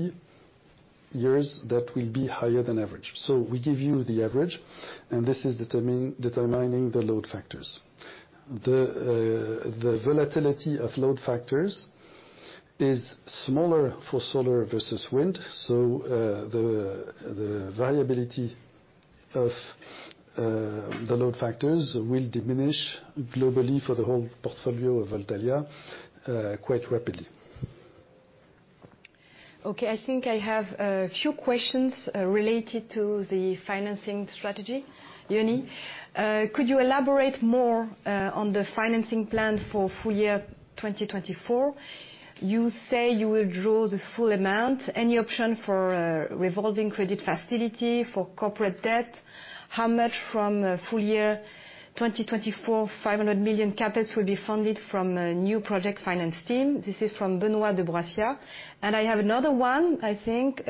years that will be higher than average. So we give you the average, and this is determining the load factors. The volatility of load factors is smaller for solar versus wind, so the variability of the load factors will diminish globally for the whole portfolio of Voltalia quite rapidly. Okay, I think I have a few questions, related to the financing strategy. Yoni, could you elaborate more, on the financing plan for full year 2024? You say you will draw the full amount. Any option for, revolving credit facility for corporate debt? How much from, full year 2024, 500 million CapEx will be funded from, new project finance team? This is from Benoit de Boissieu. And I have another one, I think,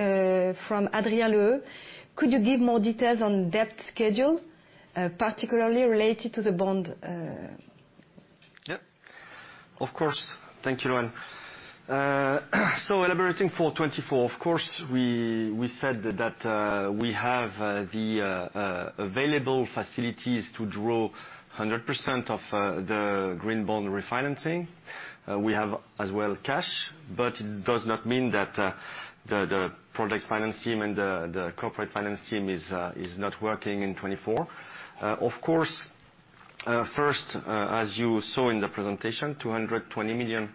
from Adrian Leue. Could you give more details on debt schedule, particularly related to the bond? Yeah. Of course. Thank you, Loan. So elaborating for 2024, of course, we said that we have the available facilities to draw 100% of the green bond refinancing. We have as well cash, but it does not mean that the project finance team and the corporate finance team is not working in 2024. Of course, first, as you saw in the presentation, 220 million euro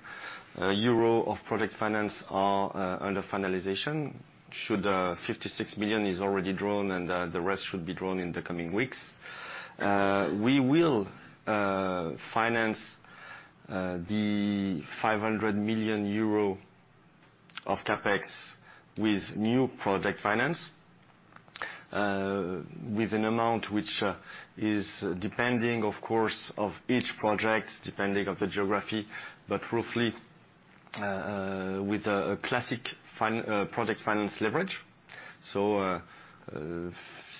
of project finance are under finalization. 56 million is already drawn, and the rest should be drawn in the coming weeks. We will finance the 500 million euro of CapEx with new project finance, with an amount which is depending, of course, of each project, depending on the geography, but roughly, with a classic project finance leverage. So, 60%,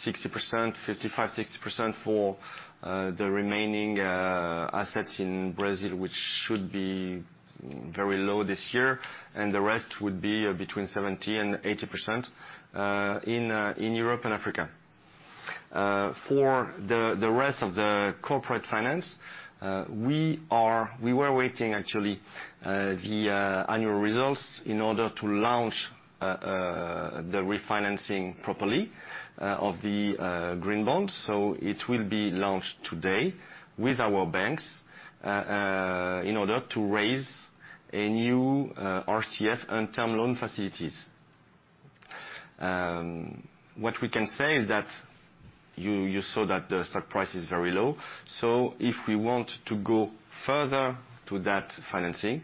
55%-60% for the remaining assets in Brazil, which should be very low this year, and the rest would be between 70% and 80% in Europe and Africa. For the rest of the corporate finance, we were waiting actually the annual results in order to launch the refinancing properly of the green bonds. So it will be launched today with our banks in order to raise a new RCF and term loan facilities. What we can say is that you saw that the stock price is very low, so if we want to go further to that financing,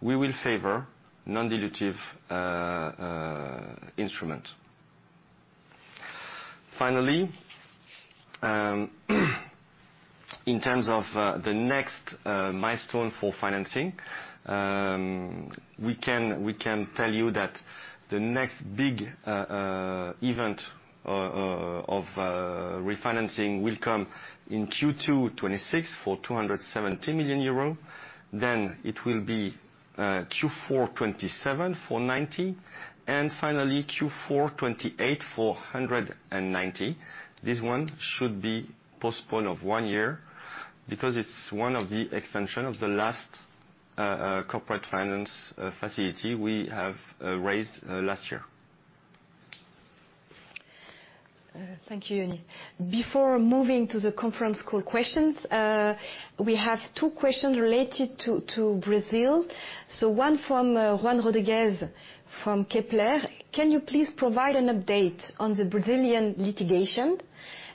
we will favor non-dilutive instrument. Finally, in terms of the next milestone for financing, we can tell you that the next big event of refinancing will come in Q2 2026 for 270 million euro. Then it will be Q4 2027 for 90 million, and finally, Q4 2028, for 190 million. This one should be postponed for one year because it's one of the extension of the last corporate finance facility we have raised last year. Thank you, Yannick. Before moving to the conference call questions, we have two questions related to, to Brazil. So one from, Juan Rodriguez, from Kepler. Can you please provide an update on the Brazilian litigation,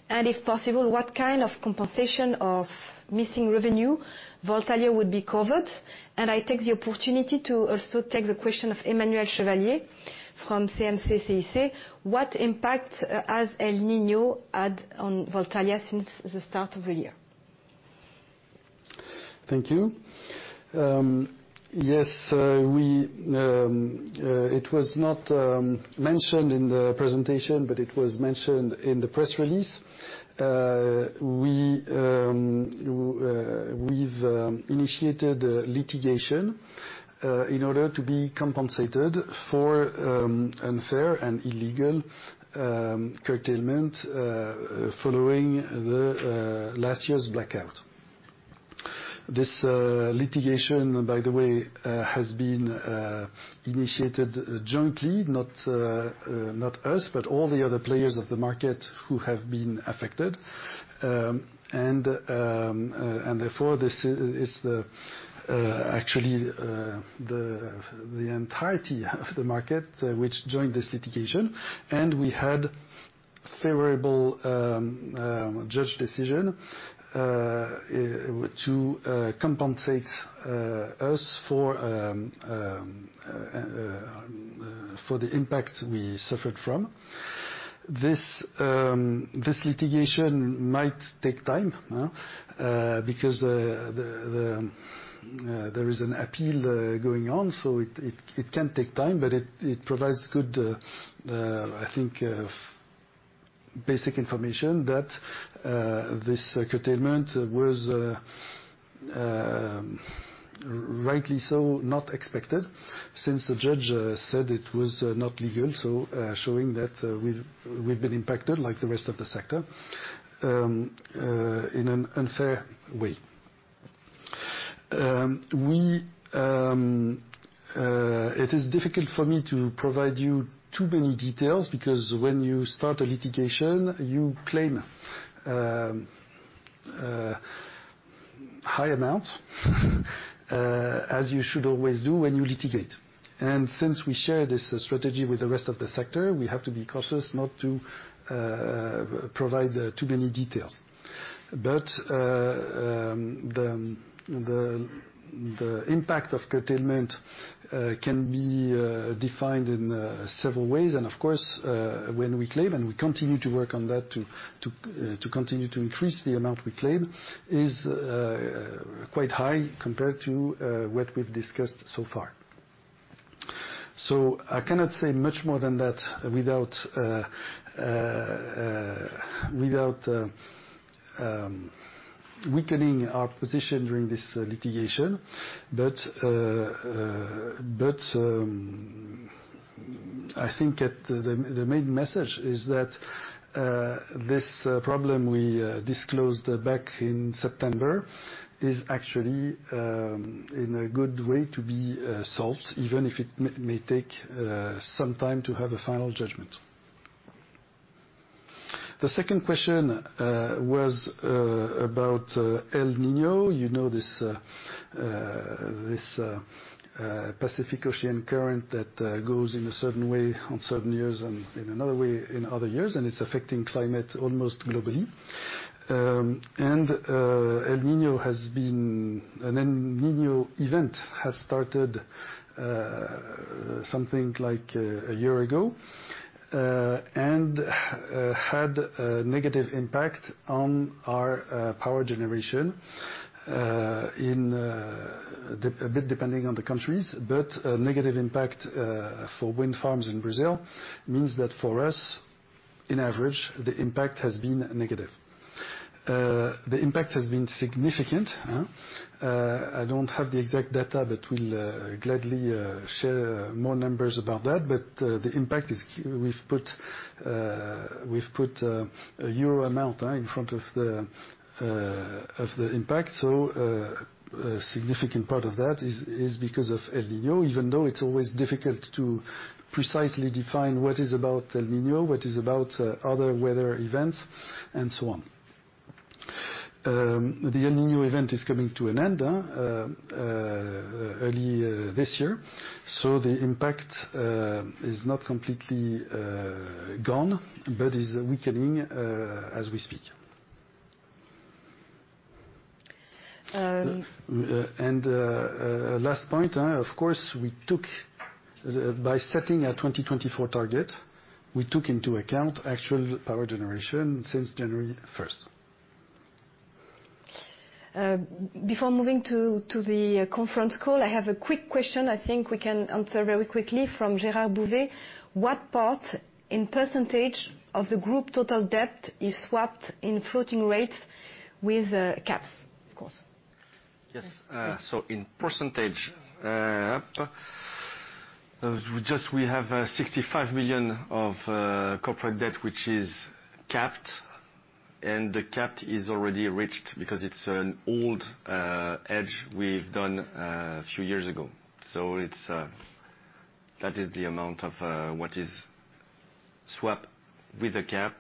and if possible, what kind of compensation of missing revenue Voltalia would be covered? And I take the opportunity to also take the question of Emmanuel Chevalier from CM-CIC: What impact has El Niño had on Voltalia since the start of the year? Thank you. Yes, it was not mentioned in the presentation, but it was mentioned in the press release. We have initiated a litigation in order to be compensated for unfair and illegal curtailment following the last year's blackout. This litigation, by the way, has been initiated jointly, not us, but all the other players of the market who have been affected. And therefore, this is actually the entirety of the market which joined this litigation, and we had favorable judge decision to compensate us for the impact we suffered from. This litigation might take time, because there is an appeal going on, so it can take time, but it provides good, I think, basic information that this curtailment was rightly so not expected, since the judge said it was not legal, so showing that we've been impacted like the rest of the sector in an unfair way. It is difficult for me to provide you too many details, because when you start a litigation, you claim high amounts, as you should always do when you litigate. And since we share this strategy with the rest of the sector, we have to be cautious not to provide too many details. But the impact of curtailment can be defined in several ways. And, of course, when we claim, and we continue to work on that to continue to increase the amount we claim, is quite high compared to what we've discussed so far. So I cannot say much more than that without weakening our position during this litigation. But I think at the main message is that this problem we disclosed back in September is actually in a good way to be solved, even if it may take some time to have a final judgment. The second question was about El Niño. You know, this Pacific Ocean current that goes in a certain way on certain years and in another way in other years, and it's affecting climate almost globally. And, an El Niño event has started something like a year ago, and had a negative impact on our power generation in a bit depending on the countries. But a negative impact for wind farms in Brazil means that for us, in average, the impact has been negative. The impact has been significant. I don't have the exact data, but we'll gladly share more numbers about that. But, we've put a euro amount in front of the impact. So, a significant part of that is, is because of El Niño, even though it's always difficult to precisely define what is about El Niño, what is about, other weather events, and so on. The El Niño event is coming to an end, early, this year, so the impact, is not completely, gone, but is weakening, as we speak. Um- And last point, of course, we took, by setting our 2024 target, we took into account actual power generation since January 1st. Before moving to the conference call, I have a quick question I think we can answer very quickly from Gérard Bouvet: What part, in percentage, of the group total debt is swapped in floating rates with caps, of course? Yes. Yes. So in percentage, just we have 65 million of corporate debt, which is capped, and the cap is already reached because it's an old hedge we've done a few years ago. So that is the amount of what is swapped with a cap,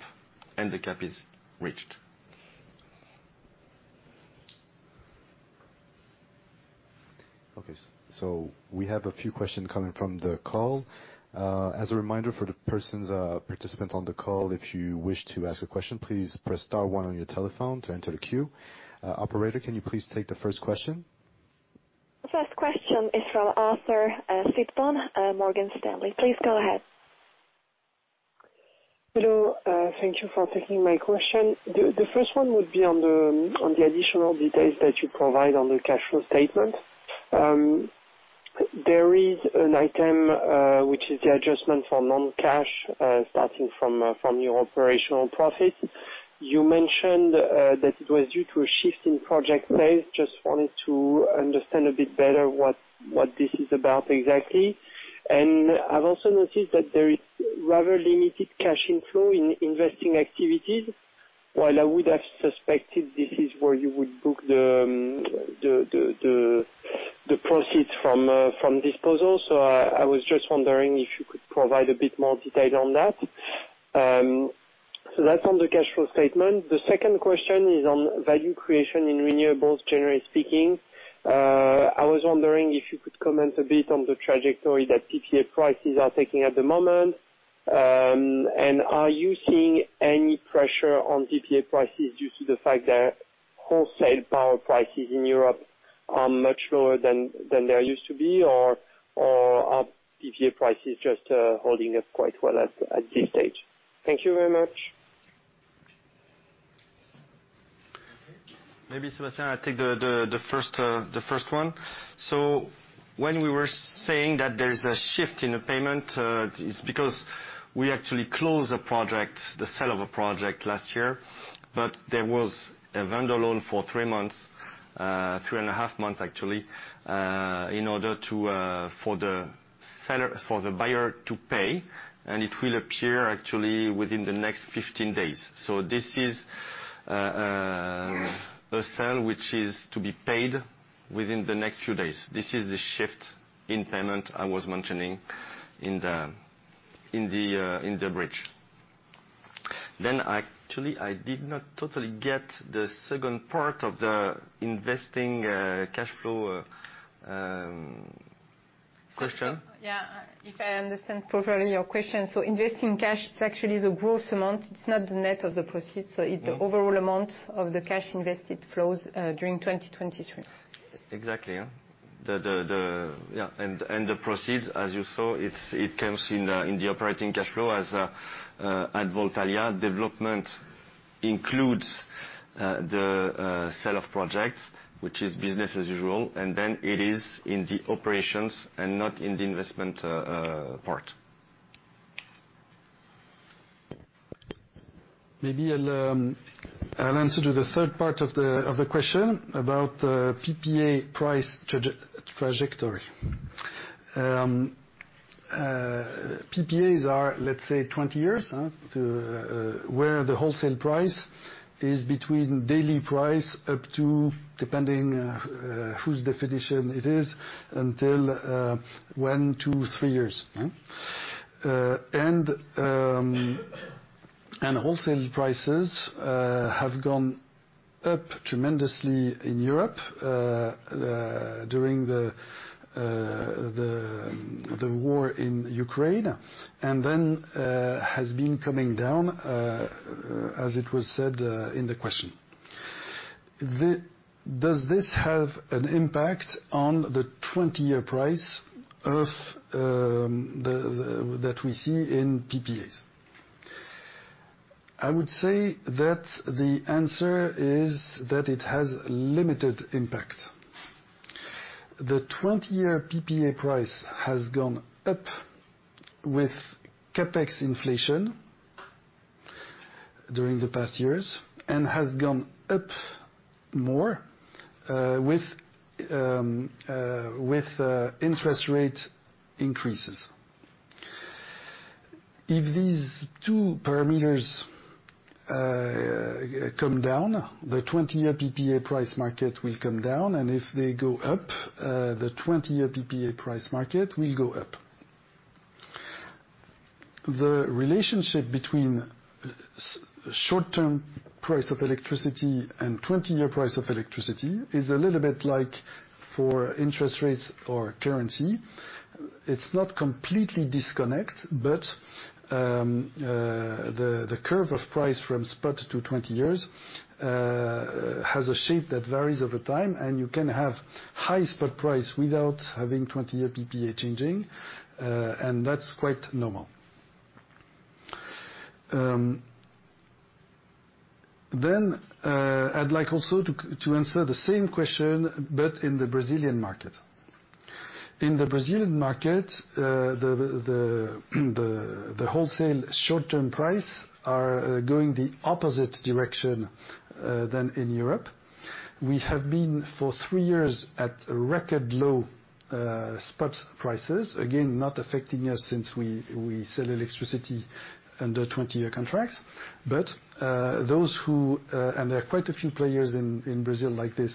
and the cap is reached. Okay. So we have a few questions coming from the call. As a reminder for the persons, participants on the call, if you wish to ask a question, please press star one on your telephone to enter the queue. Operator, can you please take the first question? The first question is from Arthur Sitbon, Morgan Stanley. Please go ahead. Hello, thank you for taking my question. The first one would be on the additional details that you provide on the cash flow statement. There is an item, which is the adjustment for non-cash, starting from, from your operational profits. You mentioned that it was due to a shift in project phase. Just wanted to understand a bit better what this is about exactly. And I've also noticed that there is rather limited cash inflow in investing activities. While I would have suspected this is where you would book the proceeds from, from disposal. So I was just wondering if you could provide a bit more detail on that. So that's on the cash flow statement. The second question is on value creation in renewables, generally speaking. I was wondering if you could comment a bit on the trajectory that PPA prices are taking at the moment? And are you seeing any pressure on PPA prices due to the fact that wholesale power prices in Europe are much lower than they used to be, or are PPA prices just holding up quite well at this stage? Thank you very much. Maybe Sébastien, I'll take the first one. So when we were saying that there is a shift in the payment, it's because we actually closed a project, the sale of a project last year. But there was a vendor loan for three months, three and a half months, actually, in order to for the seller—for the buyer to pay, and it will appear actually within the next 15 days. So this is a sale, which is to be paid within the next few days. This is the shift in payment I was mentioning in the bridge. Then, actually, I did not totally get the second part of the investing cash flow question. Yeah. If I understand properly your question, so investing cash, it's actually the gross amount, it's not the net of the proceeds. So it's the overall amount of the cash invested flows during 2023. Exactly, yeah. Yeah, and the proceeds, as you saw, it comes in the operating cash flow as at Voltalia. Development includes the sale of projects, which is business as usual, and then it is in the operations and not in the investment part. Maybe I'll answer to the third part of the question about PPA price trajectory. PPAs are, let's say, 20 years, huh? To where the wholesale price is between daily price up to, depending whose definition it is, until 1-3 years. And wholesale prices have gone up tremendously in Europe during the war in Ukraine, and then has been coming down as it was said in the question. Does this have an impact on the 20-year price of the that we see in PPAs? I would say that the answer is that it has limited impact. The 20-year PPA price has gone up with CapEx inflation during the past years and has gone up more with interest rate increases. If these two parameters come down, the 20-year PPA price market will come down, and if they go up, the 20-year PPA price market will go up. The relationship between short-term price of electricity and 20-year price of electricity is a little bit like for interest rates or currency. It's not completely disconnect, but the curve of price from spot to 20 years has a shape that varies over time, and you can have high spot price without having 20-year PPA changing, and that's quite normal. Then I'd like also to answer the same question, but in the Brazilian market. In the Brazilian market, the wholesale short-term price are going the opposite direction than in Europe. We have been, for 3 years, at record low spot prices. Again, not affecting us, since we sell electricity under 20-year contracts. But, those who, and there are quite a few players in Brazil like this,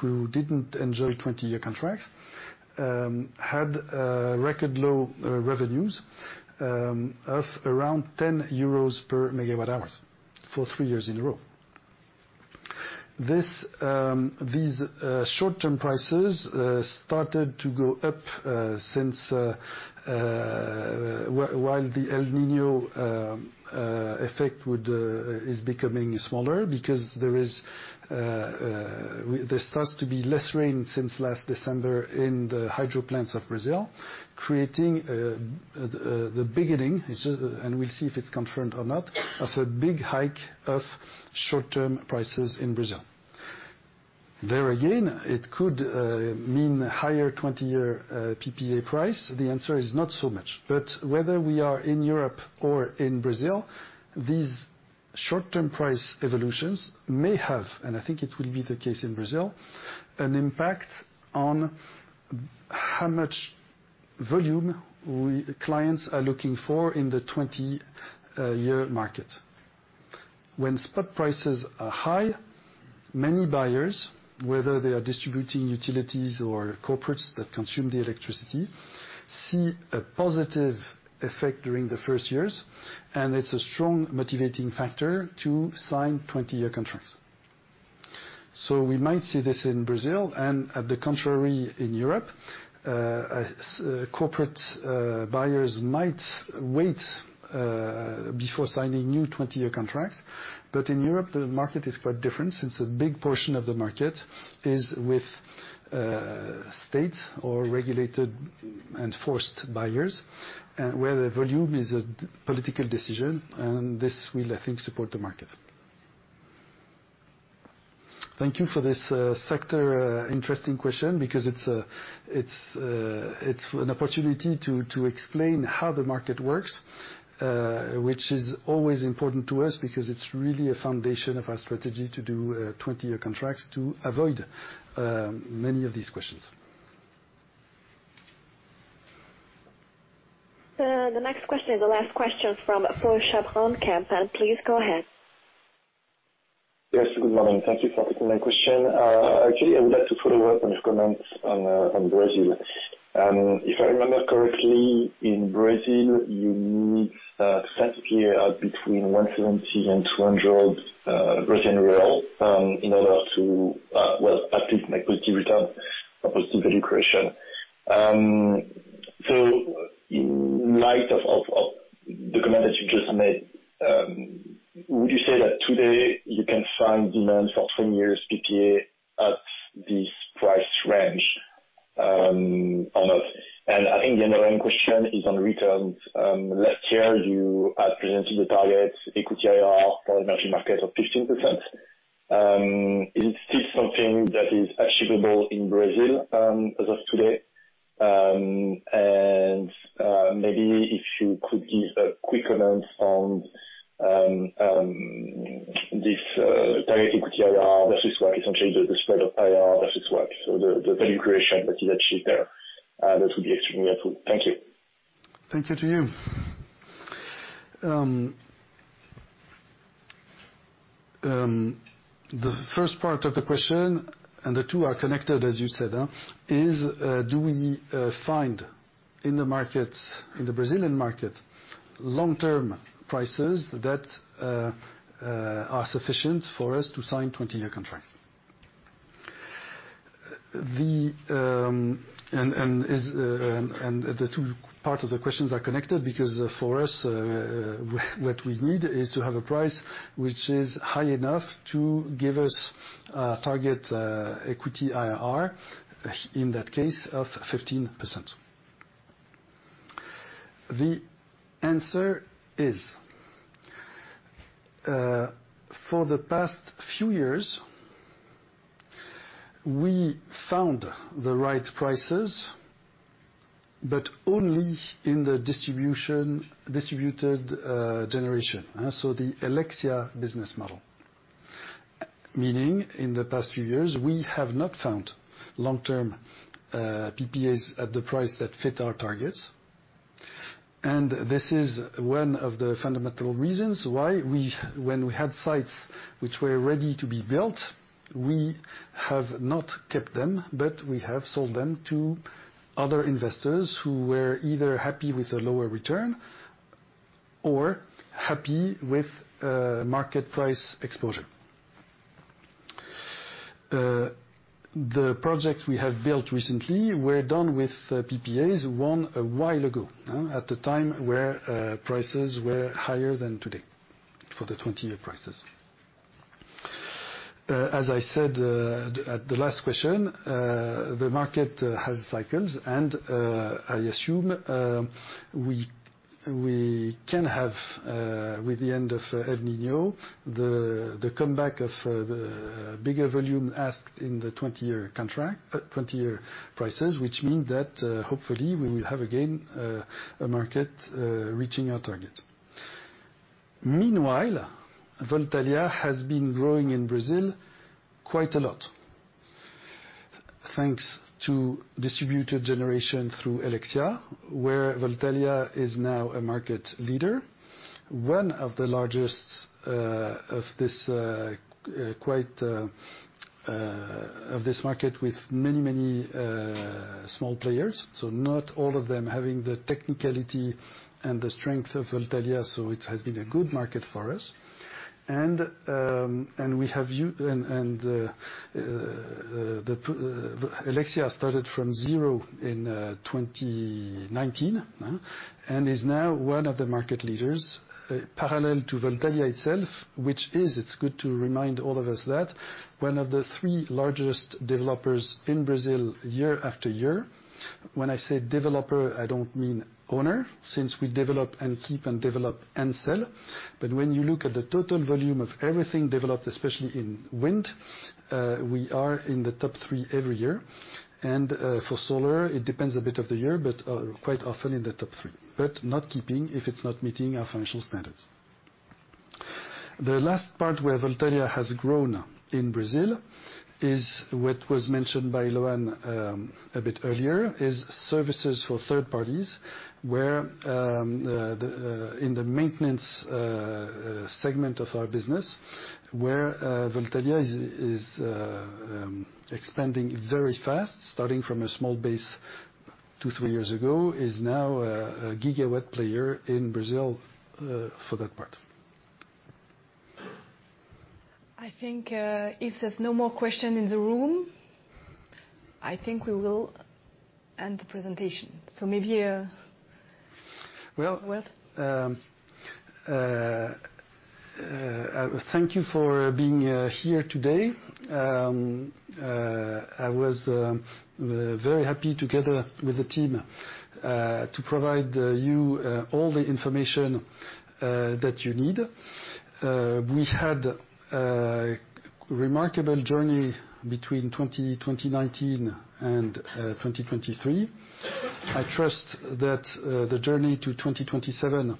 who didn't enjoy 20-year contracts, had record low revenues of around 10 euros/MWh for 3 years in a row. These short-term prices started to go up while the El Niño effect is becoming smaller, because there starts to be less rain since last December in the hydro plants of Brazil, creating the beginning, and we'll see if it's confirmed or not, of a big hike of short-term prices in Brazil. There again, it could mean higher 20-year PPA price. The answer is not so much. But whether we are in Europe or in Brazil, these short-term price evolutions may have, and I think it will be the case in Brazil, an impact on how much volume clients are looking for in the 20-year market. When spot prices are high, many buyers, whether they are distributing utilities or corporates that consume the electricity, see a positive effect during the first years, and it's a strong motivating factor to sign 20-year contracts. So we might see this in Brazil, and on the contrary, in Europe, corporate buyers might wait before signing new 20-year contracts. But in Europe, the market is quite different. Since a big portion of the market is with states or regulated and forced buyers, and where the volume is a political decision, and this will, I think, support the market. Thank you for this, sector, interesting question, because it's an opportunity to explain how the market works, which is always important to us, because it's really a foundation of our strategy to do 20-year contracts to avoid many of these questions. The next question is the last question from Paul, [inaudible] and please go ahead. Yes, good morning. Thank you for taking my question. Actually, I would like to follow up on your comments on Brazil. And if I remember correctly, in Brazil, you need to set up between 170 and 200 BRL in order to, well, at least make positive return or positive value creation. So in light of the comment that you just made, would you say that today you can find demand for 10-year PPA at this price range, on average? And I think the other end question is on returns. Last year, you had presented the target equity IRR for the energy market of 15%. Is it still something that is achievable in Brazil, as of today? Maybe if you could give a quick comment on this target equity IRR versus what essentially the spread of IRR versus WACC, so the value creation that you achieve there. That would be extremely helpful. Thank you. Thank you to you. The first part of the question, and the two are connected, as you said, is, do we find in the markets, in the Brazilian market, long-term prices that are sufficient for us to sign 20-year contracts? And the two parts of the questions are connected, because for us, what we need is to have a price which is high enough to give us target equity IRR, in that case, of 15%. The answer is, for the past few years, we found the right prices, but only in the distributed generation. So the Helexia business model. Meaning, in the past few years, we have not found long-term PPAs at the price that fit our targets. This is one of the fundamental reasons why we, when we had sites which were ready to be built, we have not kept them, but we have sold them to other investors who were either happy with a lower return or happy with market price exposure. The projects we have built recently were done with PPAs, one a while ago, at the time where prices were higher than today for the 20-year prices. As I said, at the last question, the market has cycles, and I assume we can have, with the end of El Niño, the comeback of the bigger volume asked in the 20-year contract, 20-year prices, which mean that, hopefully, we will have, again, a market reaching our target. Meanwhile, Voltalia has been growing in Brazil quite a lot, thanks to distributed generation through Helexia, where Voltalia is now a market leader, one of the largest of this market with many small players, so not all of them having the technicality and the strength of Voltalia, so it has been a good market for us. And Helexia started from zero in 2019 and is now one of the market leaders, parallel to Voltalia itself, which is, it's good to remind all of us that one of the three largest developers in Brazil year after year. When I say developer, I don't mean owner, since we develop and keep and develop and sell. But when you look at the total volume of everything developed, especially in wind, we are in the top three every year. And, for solar, it depends a bit of the year, but, quite often in the top three, but not keeping if it's not meeting our financial standards. The last part where Voltalia has grown in Brazil is what was mentioned by Loan, a bit earlier, is services for third parties, where the in the maintenance segment of our business, where Voltalia is expanding very fast, starting from a small base two, three years ago, is now a gigawatt player in Brazil, for that part. I think, if there's no more question in the room, I think we will end the presentation. So maybe, a word? Well, thank you for being here today. I was very happy together with the team to provide you all the information that you need. We had a remarkable journey between 2019 and 2023. I trust that the journey to 2027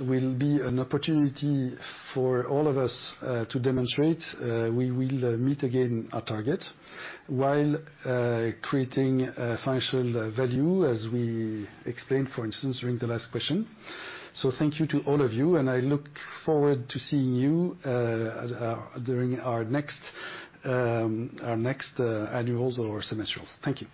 will be an opportunity for all of us to demonstrate we will meet again our target while creating financial value, as we explained, for instance, during the last question. So thank you to all of you, and I look forward to seeing you during our next annuals or semestrals. Thank you.